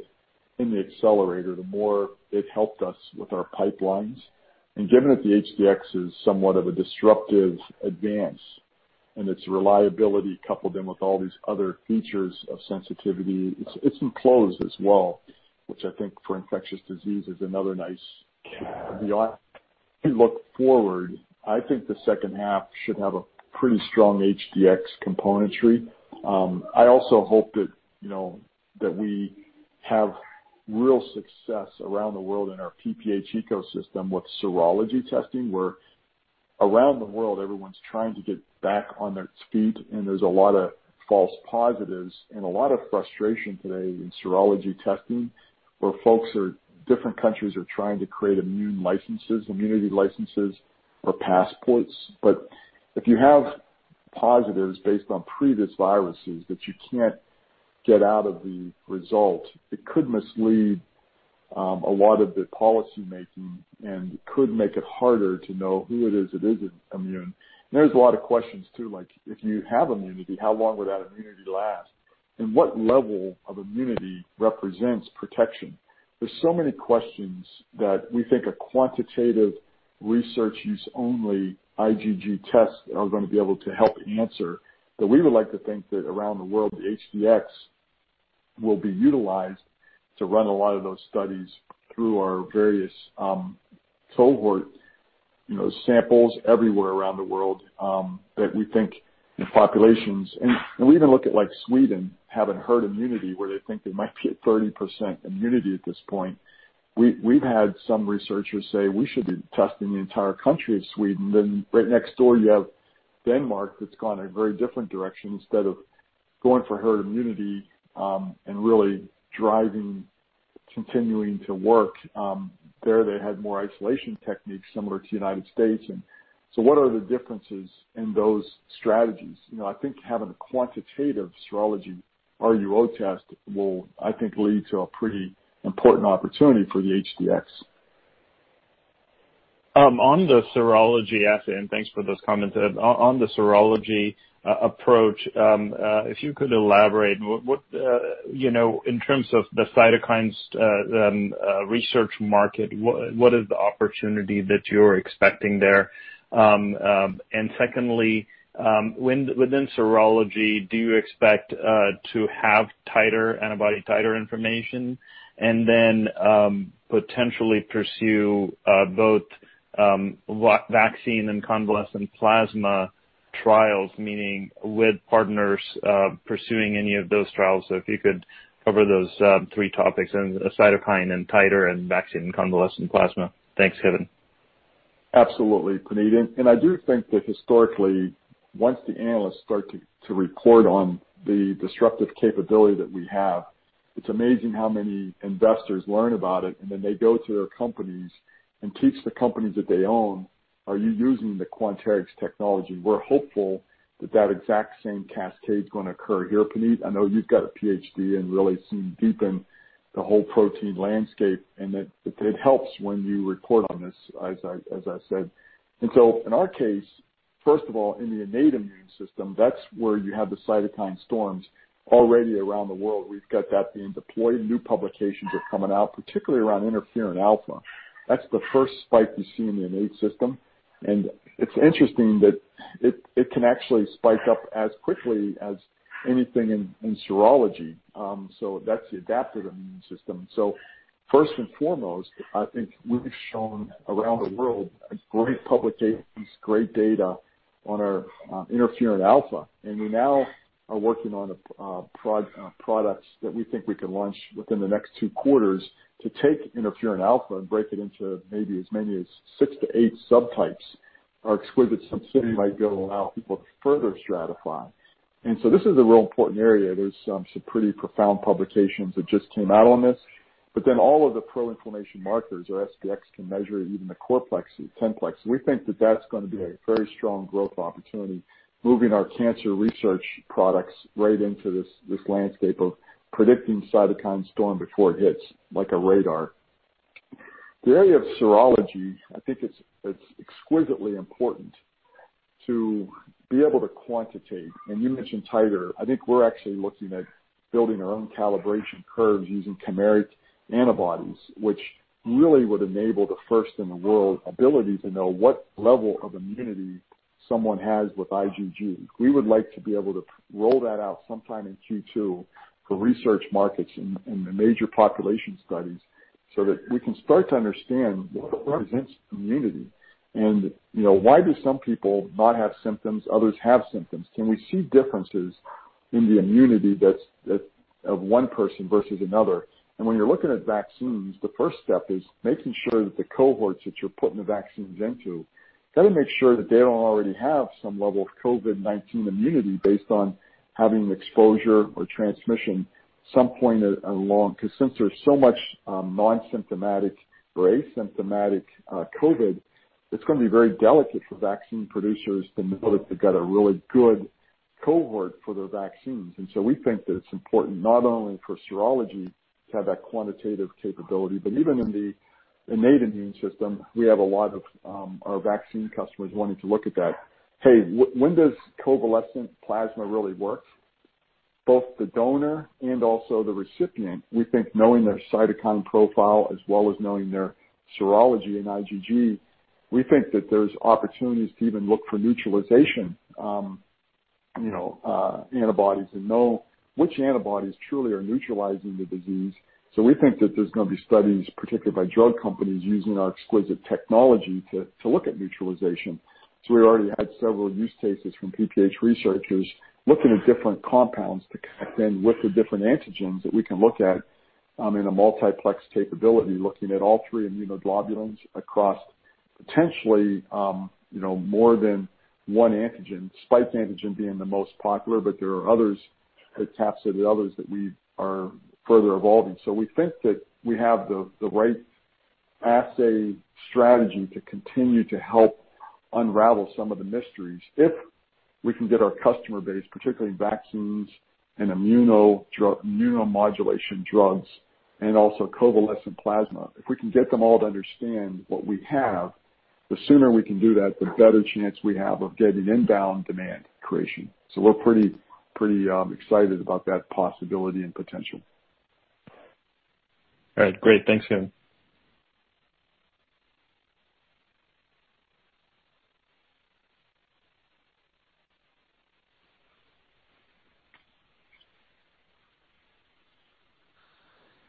[SPEAKER 3] in the accelerator, the more it helped us with our pipelines. Given that the HD-X is somewhat of a disruptive advance and its reliability coupled in with all these other features of sensitivity, it's enclosed as well, which I think for infectious disease is another. If you look forward, I think the second half should have a pretty strong HD-X componentry. I also hope that we have real success around the world in our PPH ecosystem with serology testing, where around the world, everyone's trying to get back on their feet, and there's a lot of false positives and a lot of frustration today in serology testing, where different countries are trying to create immune licenses, immunity licenses or passports. If you have positives based on previous viruses that you can't get out of the result, it could mislead a lot of the policy making and could make it harder to know who it is that isn't immune. There's a lot of questions, too, like if you have immunity, how long will that immunity last? And what level of immunity represents protection? There's so many questions that we think a quantitative research use only IgG test are going to be able to help answer, that we would like to think that around the world, the HD-X will be utilized to run a lot of those studies through our various cohort samples everywhere around the world, that we think in populations. We even look at like Sweden having herd immunity, where they think they might be at 30% immunity at this point. We've had some researchers say we should be testing the entire country of Sweden. Right next door you have Denmark that's gone a very different direction. Instead of going for herd immunity and really driving, continuing to work, there they had more isolation techniques similar to the U.S. What are the differences in those strategies? I think having a quantitative serology RUO test will, I think, lead to a pretty important opportunity for the HD-X.
[SPEAKER 5] On the serology assay. Thanks for those comments. On the serology approach, if you could elaborate, in terms of the cytokines research market, what is the opportunity that you're expecting there? Secondly, within serology, do you expect to have titer antibody, titer information and then potentially pursue both vaccine and convalescent plasma trials, meaning with partners pursuing any of those trials? If you could cover those three topics then, cytokine and titer and vaccine convalescent plasma. Thanks, Kevin.
[SPEAKER 3] Absolutely, Puneet. I do think that historically, once the analysts start to report on the disruptive capability that we have, it's amazing how many investors learn about it, and then they go to their companies and teach the companies that they own, "Are you using the Quanterix technology?" We're hopeful that that exact same cascade is going to occur here, Puneet. I know you've got a PhD in really seeming deep in the whole protein landscape, and that it helps when you report on this, as I said. In our case, first of all, in the innate immune system, that's where you have the cytokine storms already around the world. We've got that being deployed. New publications are coming out, particularly around interferon-alpha. That's the first spike you see in the innate system. It's interesting that it can actually spike up as quickly as anything in serology. That's the adaptive immune system. First and foremost, I think we've shown around the world great publications, great data on our interferon-alpha. We now are working on products that we think we can launch within the next two quarters to take interferon-alpha and break it into maybe as many as six to eight subtypes. Our exquisite sensitivity might be able to allow people to further stratify. This is a real important area. There's some pretty profound publications that just came out on this. All of the pro-inflammation markers, our SP-X can measure even the CorPlex and 10-plex. We think that that's going to be a very strong growth opportunity, moving our cancer research products right into this landscape of predicting cytokine storm before it hits, like a radar. The area of serology, I think it's exquisitely important to be able to quantitate, and you mentioned titer. I think we're actually looking at building our own calibration curves using chimeric antibodies, which really would enable the first in the world ability to know what level of immunity someone has with IgG. We would like to be able to roll that out sometime in Q2 for research markets in the major population studies so that we can start to understand what represents immunity. Why do some people not have symptoms, others have symptoms? Can we see differences in the immunity of one person versus another? When you're looking at vaccines, the first step is making sure that the cohorts that you're putting the vaccines into, got to make sure that they don't already have some level of COVID-19 immunity based on having exposure or transmission some point along. Since there's so much non-symptomatic or asymptomatic COVID, it's going to be very delicate for vaccine producers to know that they've got a really good cohort for their vaccines. We think that it's important not only for serology to have that quantitative capability, but even in the innate immune system, we have a lot of our vaccine customers wanting to look at that. Hey, when does convalescent plasma really work? Both the donor and also the recipient, we think knowing their cytokine profile as well as knowing their serology and IgG, we think that there's opportunities to even look for neutralization antibodies and know which antibodies truly are neutralizing the disease. We think that there's going to be studies, particularly by drug companies, using our exquisite technology to look at neutralization. We already had several use cases from PPH researchers looking at different compounds to connect in with the different antigens that we can look at in a multiplex capability, looking at all three immunoglobulins across potentially more than one antigen, spike antigen being the most popular, but there are types of the others that we are further evolving. We think that we have the right assay strategy to continue to help unravel some of the mysteries. If we can get our customer base, particularly in vaccines and immunomodulation drugs, and also convalescent plasma, if we can get them all to understand what we have, the sooner we can do that, the better chance we have of getting inbound demand creation. We're pretty excited about that possibility and potential.
[SPEAKER 5] All right. Great. Thanks, Kevin.
[SPEAKER 2] Christine,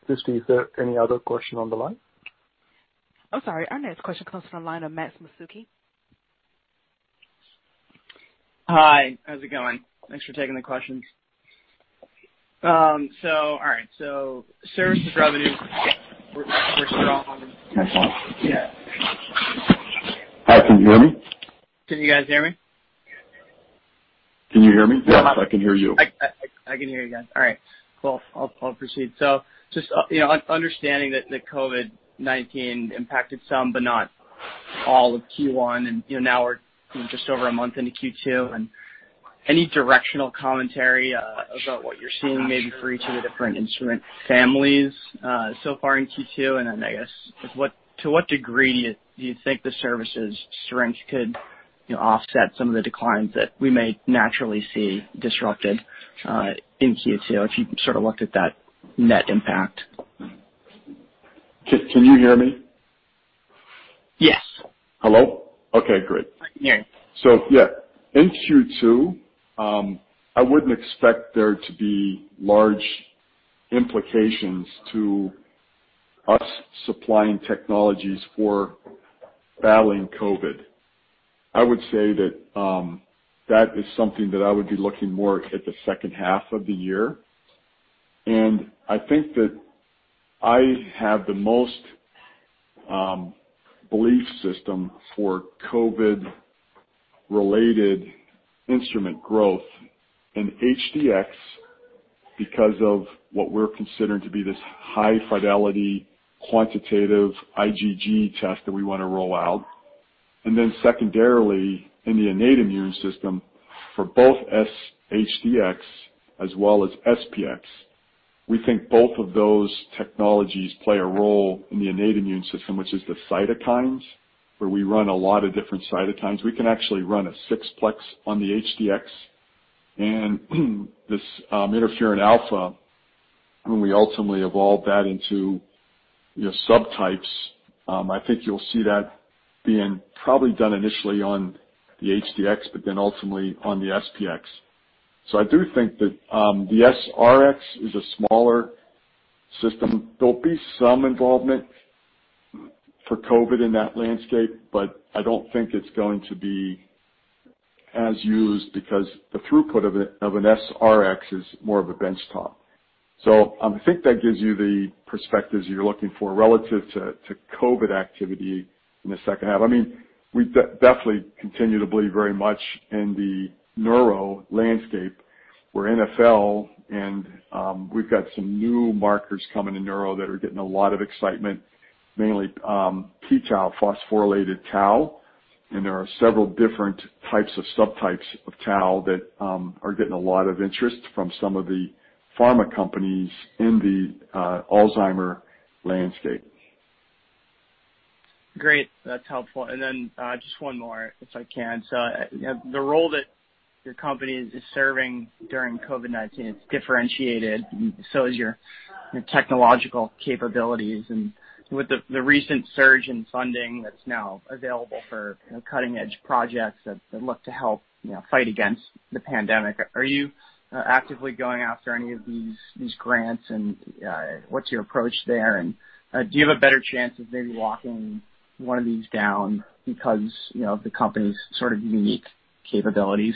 [SPEAKER 2] is there any other question on the line?
[SPEAKER 1] I'm sorry. Our next question comes from line of Max Masucci.
[SPEAKER 6] Hi, how's it going? Thanks for taking the questions. All right. Services revenue were strong.
[SPEAKER 3] That's fine.
[SPEAKER 6] Yeah.
[SPEAKER 3] Hi, can you hear me?
[SPEAKER 6] Can you guys hear me?
[SPEAKER 3] Can you hear me? Yes, I can hear you.
[SPEAKER 6] I can hear you guys. All right. Cool. I'll proceed. Just understanding that COVID-19 impacted some but not all of Q1, and now we're just over a month into Q2, and any directional commentary about what you're seeing maybe for each of the different instrument families so far in Q2? I guess to what degree do you think the services strength could offset some of the declines that we may naturally see disrupted, in Q2, if you sort of looked at that net impact?
[SPEAKER 3] Can you hear me?
[SPEAKER 6] Yes.
[SPEAKER 3] Hello? Okay, great.
[SPEAKER 6] I can hear you.
[SPEAKER 3] Yeah, in Q2, I wouldn't expect there to be large implications to us supplying technologies for battling COVID. I would say that is something that I would be looking more at the second half of the year. I think that I have the most belief system for COVID-related instrument growth in HD-X because of what we're considering to be this high-fidelity, quantitative IgG test that we want to roll out. Secondarily, in the innate immune system for both HD-X as well as SP-X. We think both of those technologies play a role in the innate immune system, which is the cytokines, where we run a lot of different cytokines. We can actually run a 6-plex on the HD-X and this interferon-alpha, when we ultimately evolve that into subtypes, I think you'll see that being probably done initially on the HD-X, but then ultimately on the SP-X. I do think that the SR-X is a smaller system. There'll be some involvement for COVID in that landscape, but I don't think it's going to be as used because the throughput of an SR-X is more of a bench top. I think that gives you the perspectives you're looking for relative to COVID activity in the second half. We definitely continue to believe very much in the neuro landscape where NfL and we've got some new markers coming in neuro that are getting a lot of excitement, mainly p-tau, phosphorylated tau. There are several different types of subtypes of tau that are getting a lot of interest from some of the pharma companies in the Alzheimer's landscape.
[SPEAKER 6] Great. That's helpful. Just one more, if I can. The role that your company is serving during COVID-19, it's differentiated and so is your technological capabilities and with the recent surge in funding that's now available for cutting-edge projects that look to help fight against the pandemic, are you actively going after any of these grants and what's your approach there, and do you have a better chance of maybe locking one of these down because of the company's sort of unique capabilities?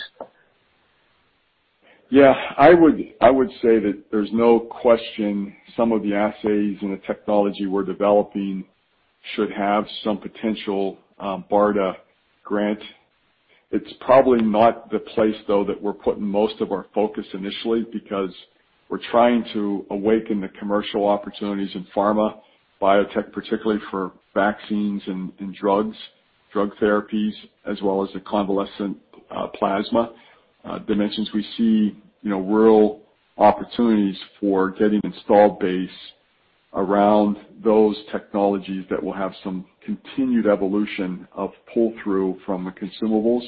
[SPEAKER 3] I would say that there's no question some of the assays and the technology we're developing should have some potential, BARDA grant. It's probably not the place, though, that we're putting most of our focus initially because we're trying to awaken the commercial opportunities in pharma, biotech, particularly for vaccines and drug therapies as well as the convalescent plasma dimensions. We see real opportunities for getting install base around those technologies that will have some continued evolution of pull-through from the consumables.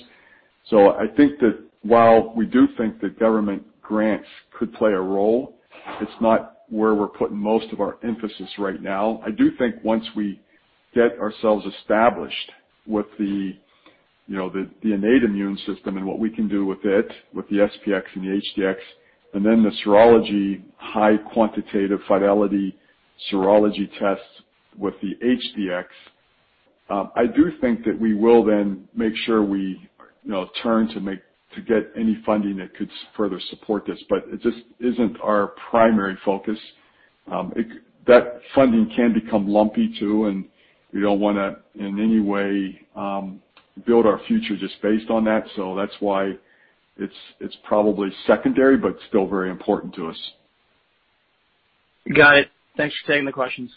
[SPEAKER 3] I think that while we do think that government grants could play a role, it's not where we're putting most of our emphasis right now. I do think once we get ourselves established with the innate immune system and what we can do with it, with the SP-X and the HD-X, and then the serology, high quantitative fidelity serology tests with the HD-X. I do think that we will then make sure we turn to get any funding that could further support this, but it just isn't our primary focus. That funding can become lumpy too, and we don't want to, in any way, build our future just based on that. That's why it's probably secondary, but still very important to us.
[SPEAKER 6] Got it. Thanks for taking the questions.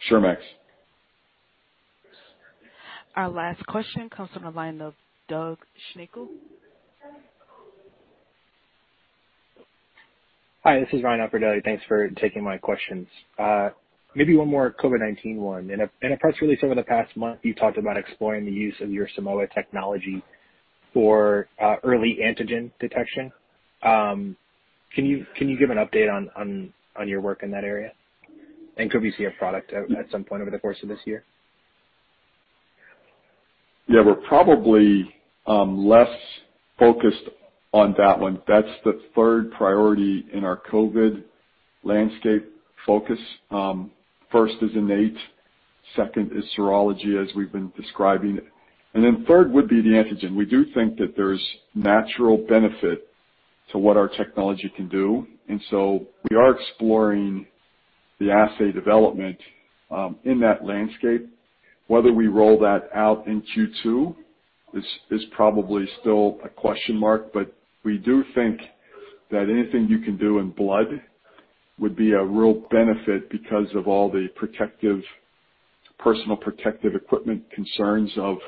[SPEAKER 3] Sure, Max.
[SPEAKER 1] Our last question comes from the line of Doug Schenkel.
[SPEAKER 7] Hi, this is Ryan Alfredelli. Thanks for taking my questions. Maybe one more COVID-19 one. In a press release over the past month, you talked about exploring the use of your Simoa technology for early antigen detection. Can you give an update on your work in that area? Could we see a product at some point over the course of this year?
[SPEAKER 3] Yeah. We're probably less focused on that one. That's the third priority in our COVID landscape focus. First is innate, second is serology as we've been describing, third would be the antigen. We do think that there's natural benefit to what our technology can do. We are exploring the assay development in that landscape. Whether we roll that out in Q2 is probably still a question mark. We do think that anything you can do in blood would be a real benefit because of all the personal protective equipment concerns of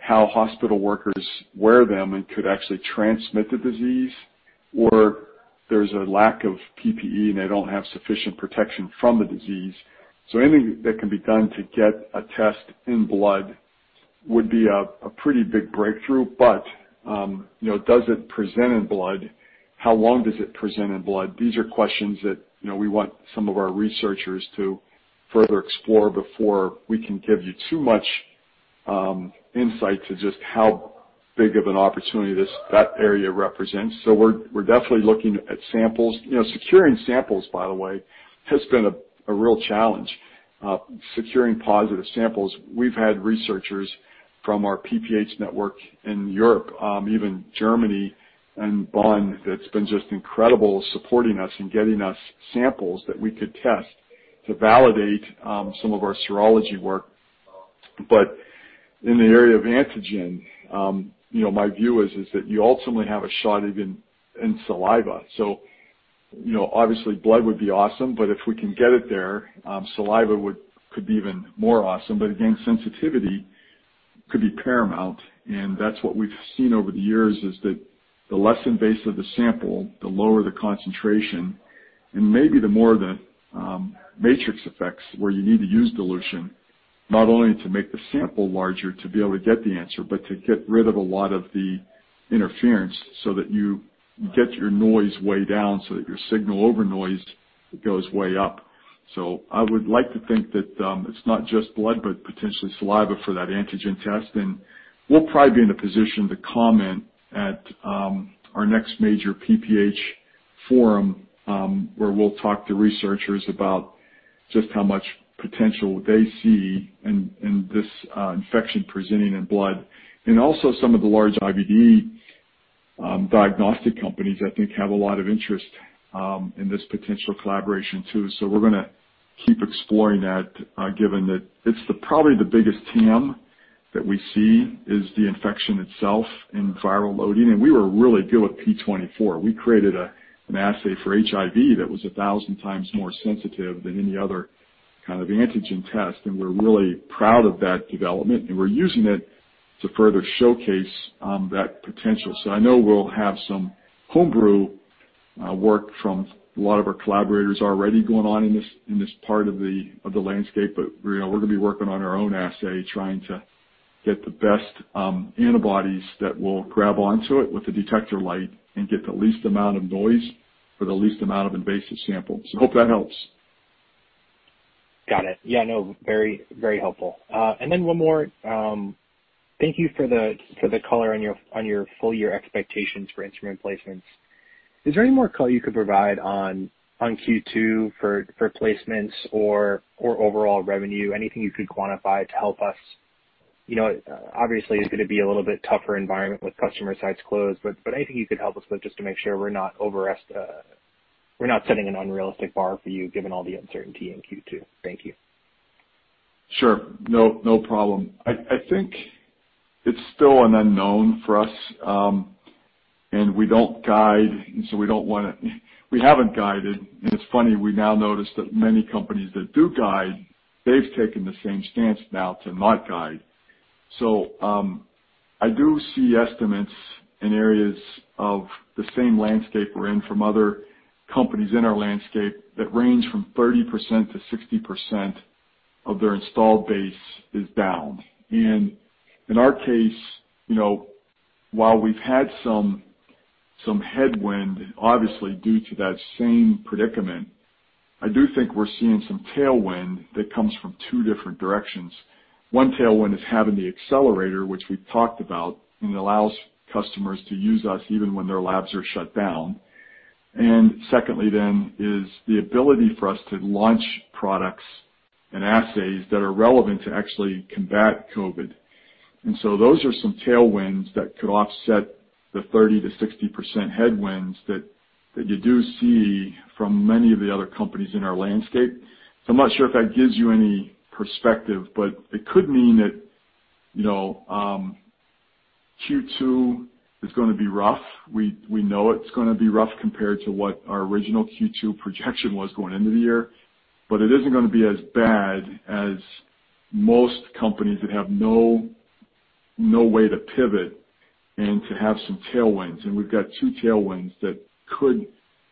[SPEAKER 3] how hospital workers wear them and could actually transmit the disease, or there's a lack of PPE. They don't have sufficient protection from the disease. Anything that can be done to get a test in blood would be a pretty big breakthrough. Does it present in blood? How long does it present in blood? These are questions that we want some of our researchers to further explore before we can give you too much insight to just how big of an opportunity that area represents. We're definitely looking at samples. Securing samples, by the way, has been a real challenge. Securing positive samples. We've had researchers from our PPH network in Europe, even Germany and Bonn, that's been just incredible supporting us and getting us samples that we could test to validate some of our serology work. In the area of antigen, my view is that you ultimately have a shot even in saliva. Obviously blood would be awesome, but if we can get it there, saliva could be even more awesome. Again, sensitivity could be paramount, and that's what we've seen over the years, is that the less invasive the sample, the lower the concentration, and maybe the more the matrix effects where you need to use dilution, not only to make the sample larger to be able to get the answer, but to get rid of a lot of the interference so that you get your noise way down so that your signal over noise goes way up. I would like to think that it's not just blood, but potentially saliva for that antigen test, and we'll probably be in a position to comment at our next major PPH forum, where we'll talk to researchers about just how much potential they see in this infection presenting in blood. Also some of the large IVD diagnostic companies, I think, have a lot of interest in this potential collaboration too. We're going to keep exploring that, given that it's probably the biggest TAM that we see is the infection itself in viral loading. We were really good with p24. We created an assay for HIV that was 1,000x more sensitive than any other kind of antigen test, and we're really proud of that development, and we're using it to further showcase that potential. I know we'll have some homebrew work from a lot of our collaborators already going on in this part of the landscape. We're going to be working on our own assay, trying to get the best antibodies that will grab onto it with the detector light and get the least amount of noise for the least amount of invasive sample. Hope that helps.
[SPEAKER 7] Got it. Yeah, no, very helpful. One more. Thank you for the color on your full-year expectations for instrument placements. Is there any more color you could provide on Q2 for placements or overall revenue? Anything you could quantify to help us? Obviously, it's going to be a little bit tougher environment with customer sites closed, but anything you could help us with just to make sure we're not setting an unrealistic bar for you given all the uncertainty in Q2. Thank you.
[SPEAKER 3] Sure. No problem. I think it's still an unknown for us. We don't guide, we haven't guided, and it's funny, we now notice that many companies that do guide, they've taken the same stance now to not guide. I do see estimates in areas of the same landscape we're in from other companies in our landscape that range from 30%-60% of their installed base is down. In our case, while we've had some headwind, obviously due to that same predicament, I do think we're seeing some tailwind that comes from two different directions. One tailwind is having the accelerator, which we've talked about, and allows customers to use us even when their labs are shut down. Secondly is the ability for us to launch products and assays that are relevant to actually combat COVID-19. Those are some tailwinds that could offset the 30%-60% headwinds that you do see from many of the other companies in our landscape. I'm not sure if that gives you any perspective, but it could mean that Q2 is going to be rough. We know it's going to be rough compared to what our original Q2 projection was going into the year, but it isn't going to be as bad as most companies that have no way to pivot and to have some tailwinds. We've got two tailwinds that could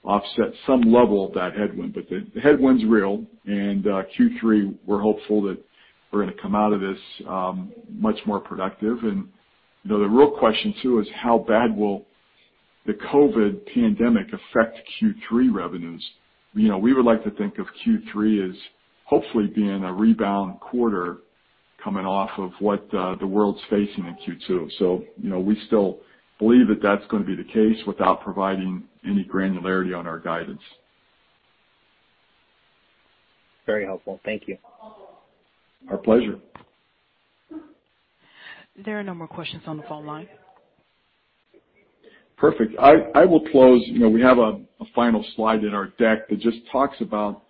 [SPEAKER 3] offset some level of that headwind. The headwind's real. Q3, we're hopeful that we're going to come out of this much more productive. The real question, too, is how bad will the COVID pandemic affect Q3 revenues? We would like to think of Q3 as hopefully being a rebound quarter coming off of what the world's facing in Q2. We still believe that that's going to be the case without providing any granularity on our guidance.
[SPEAKER 7] Very helpful. Thank you.
[SPEAKER 3] Our pleasure.
[SPEAKER 1] There are no more questions on the phone line.
[SPEAKER 3] Perfect. I will close. We have a final slide in our deck that just talks about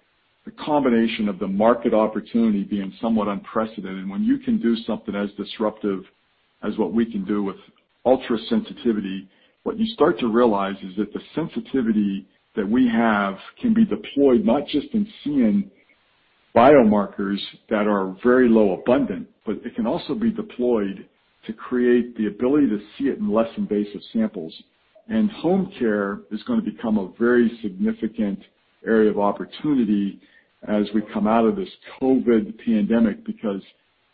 [SPEAKER 3] the combination of the market opportunity being somewhat unprecedented. When you can do something as disruptive as what we can do with ultra-sensitivity, what you start to realize is that the sensitivity that we have can be deployed not just in seeing biomarkers that are very low abundant, but it can also be deployed to create the ability to see it in less invasive samples. Home care is going to become a very significant area of opportunity as we come out of this COVID pandemic, because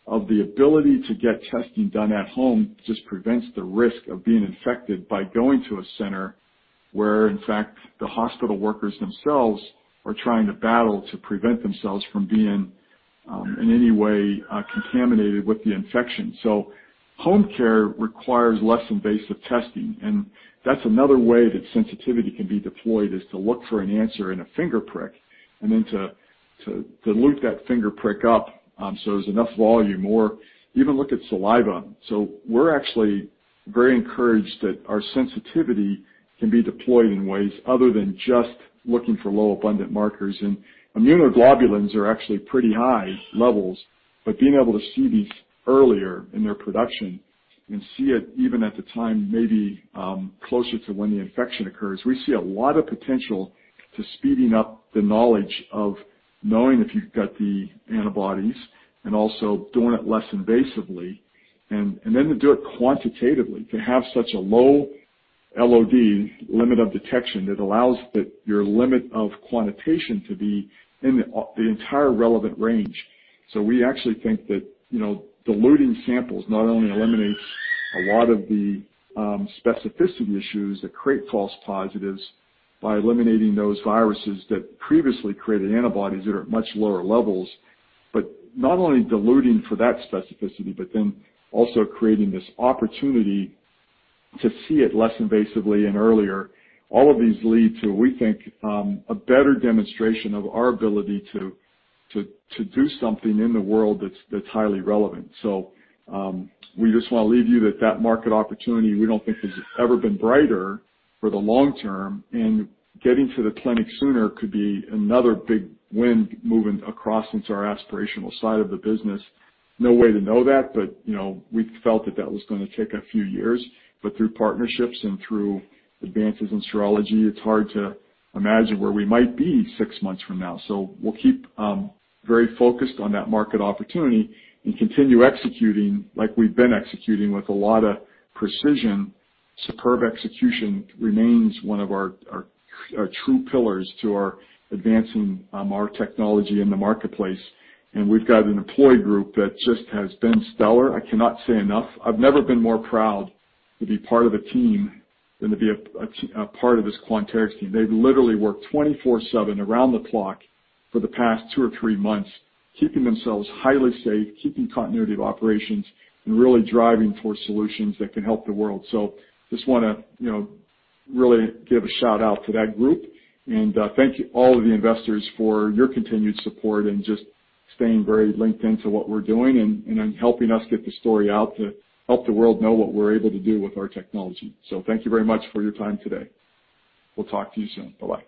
[SPEAKER 3] of the ability to get testing done at home just prevents the risk of being infected by going to a center where, in fact, the hospital workers themselves are trying to battle to prevent themselves from being, in any way, contaminated with the infection. Home care requires less invasive testing, and that's another way that sensitivity can be deployed, is to look for an answer in a finger prick, and then to loop that finger prick up so there's enough volume or even look at saliva. We're actually very encouraged that our sensitivity can be deployed in ways other than just looking for low abundant markers. Immunoglobulins are actually pretty high levels, but being able to see these earlier in their production and see it even at the time maybe closer to when the infection occurs. We see a lot of potential to speeding up the knowledge of knowing if you've got the antibodies and also doing it less invasively. Then to do it quantitatively, to have such a low LOD, limit of detection, that allows your limit of quantitation to be in the entire relevant range. We actually think that diluting samples not only eliminates a lot of the specificity issues that create false positives by eliminating those viruses that previously created antibodies that are at much lower levels. Not only diluting for that specificity, but then also creating this opportunity to see it less invasively and earlier. All of these lead to, we think, a better demonstration of our ability to do something in the world that's highly relevant. We just want to leave you with that market opportunity we don't think has ever been brighter for the long term and getting to the clinic sooner could be another big win moving across into our aspirational side of the business. No way to know that, but we felt that that was going to take a few years. Through partnerships and through advances in serology, it's hard to imagine where we might be six months from now. We'll keep very focused on that market opportunity and continue executing like we've been executing with a lot of precision. Superb execution remains one of our true pillars to advancing our technology in the marketplace. We've got an employee group that just has been stellar. I cannot say enough. I've never been more proud to be part of a team than to be a part of this Quanterix team. They've literally worked 24/7 around the clock for the past two or three months, keeping themselves highly safe, keeping continuity of operations, and really driving towards solutions that can help the world. Just want to really give a shout-out to that group. Thank you, all of the investors for your continued support and just staying very linked in to what we're doing and in helping us get the story out to help the world know what we're able to do with our technology. Thank you very much for your time today. We'll talk to you soon. Bye-bye.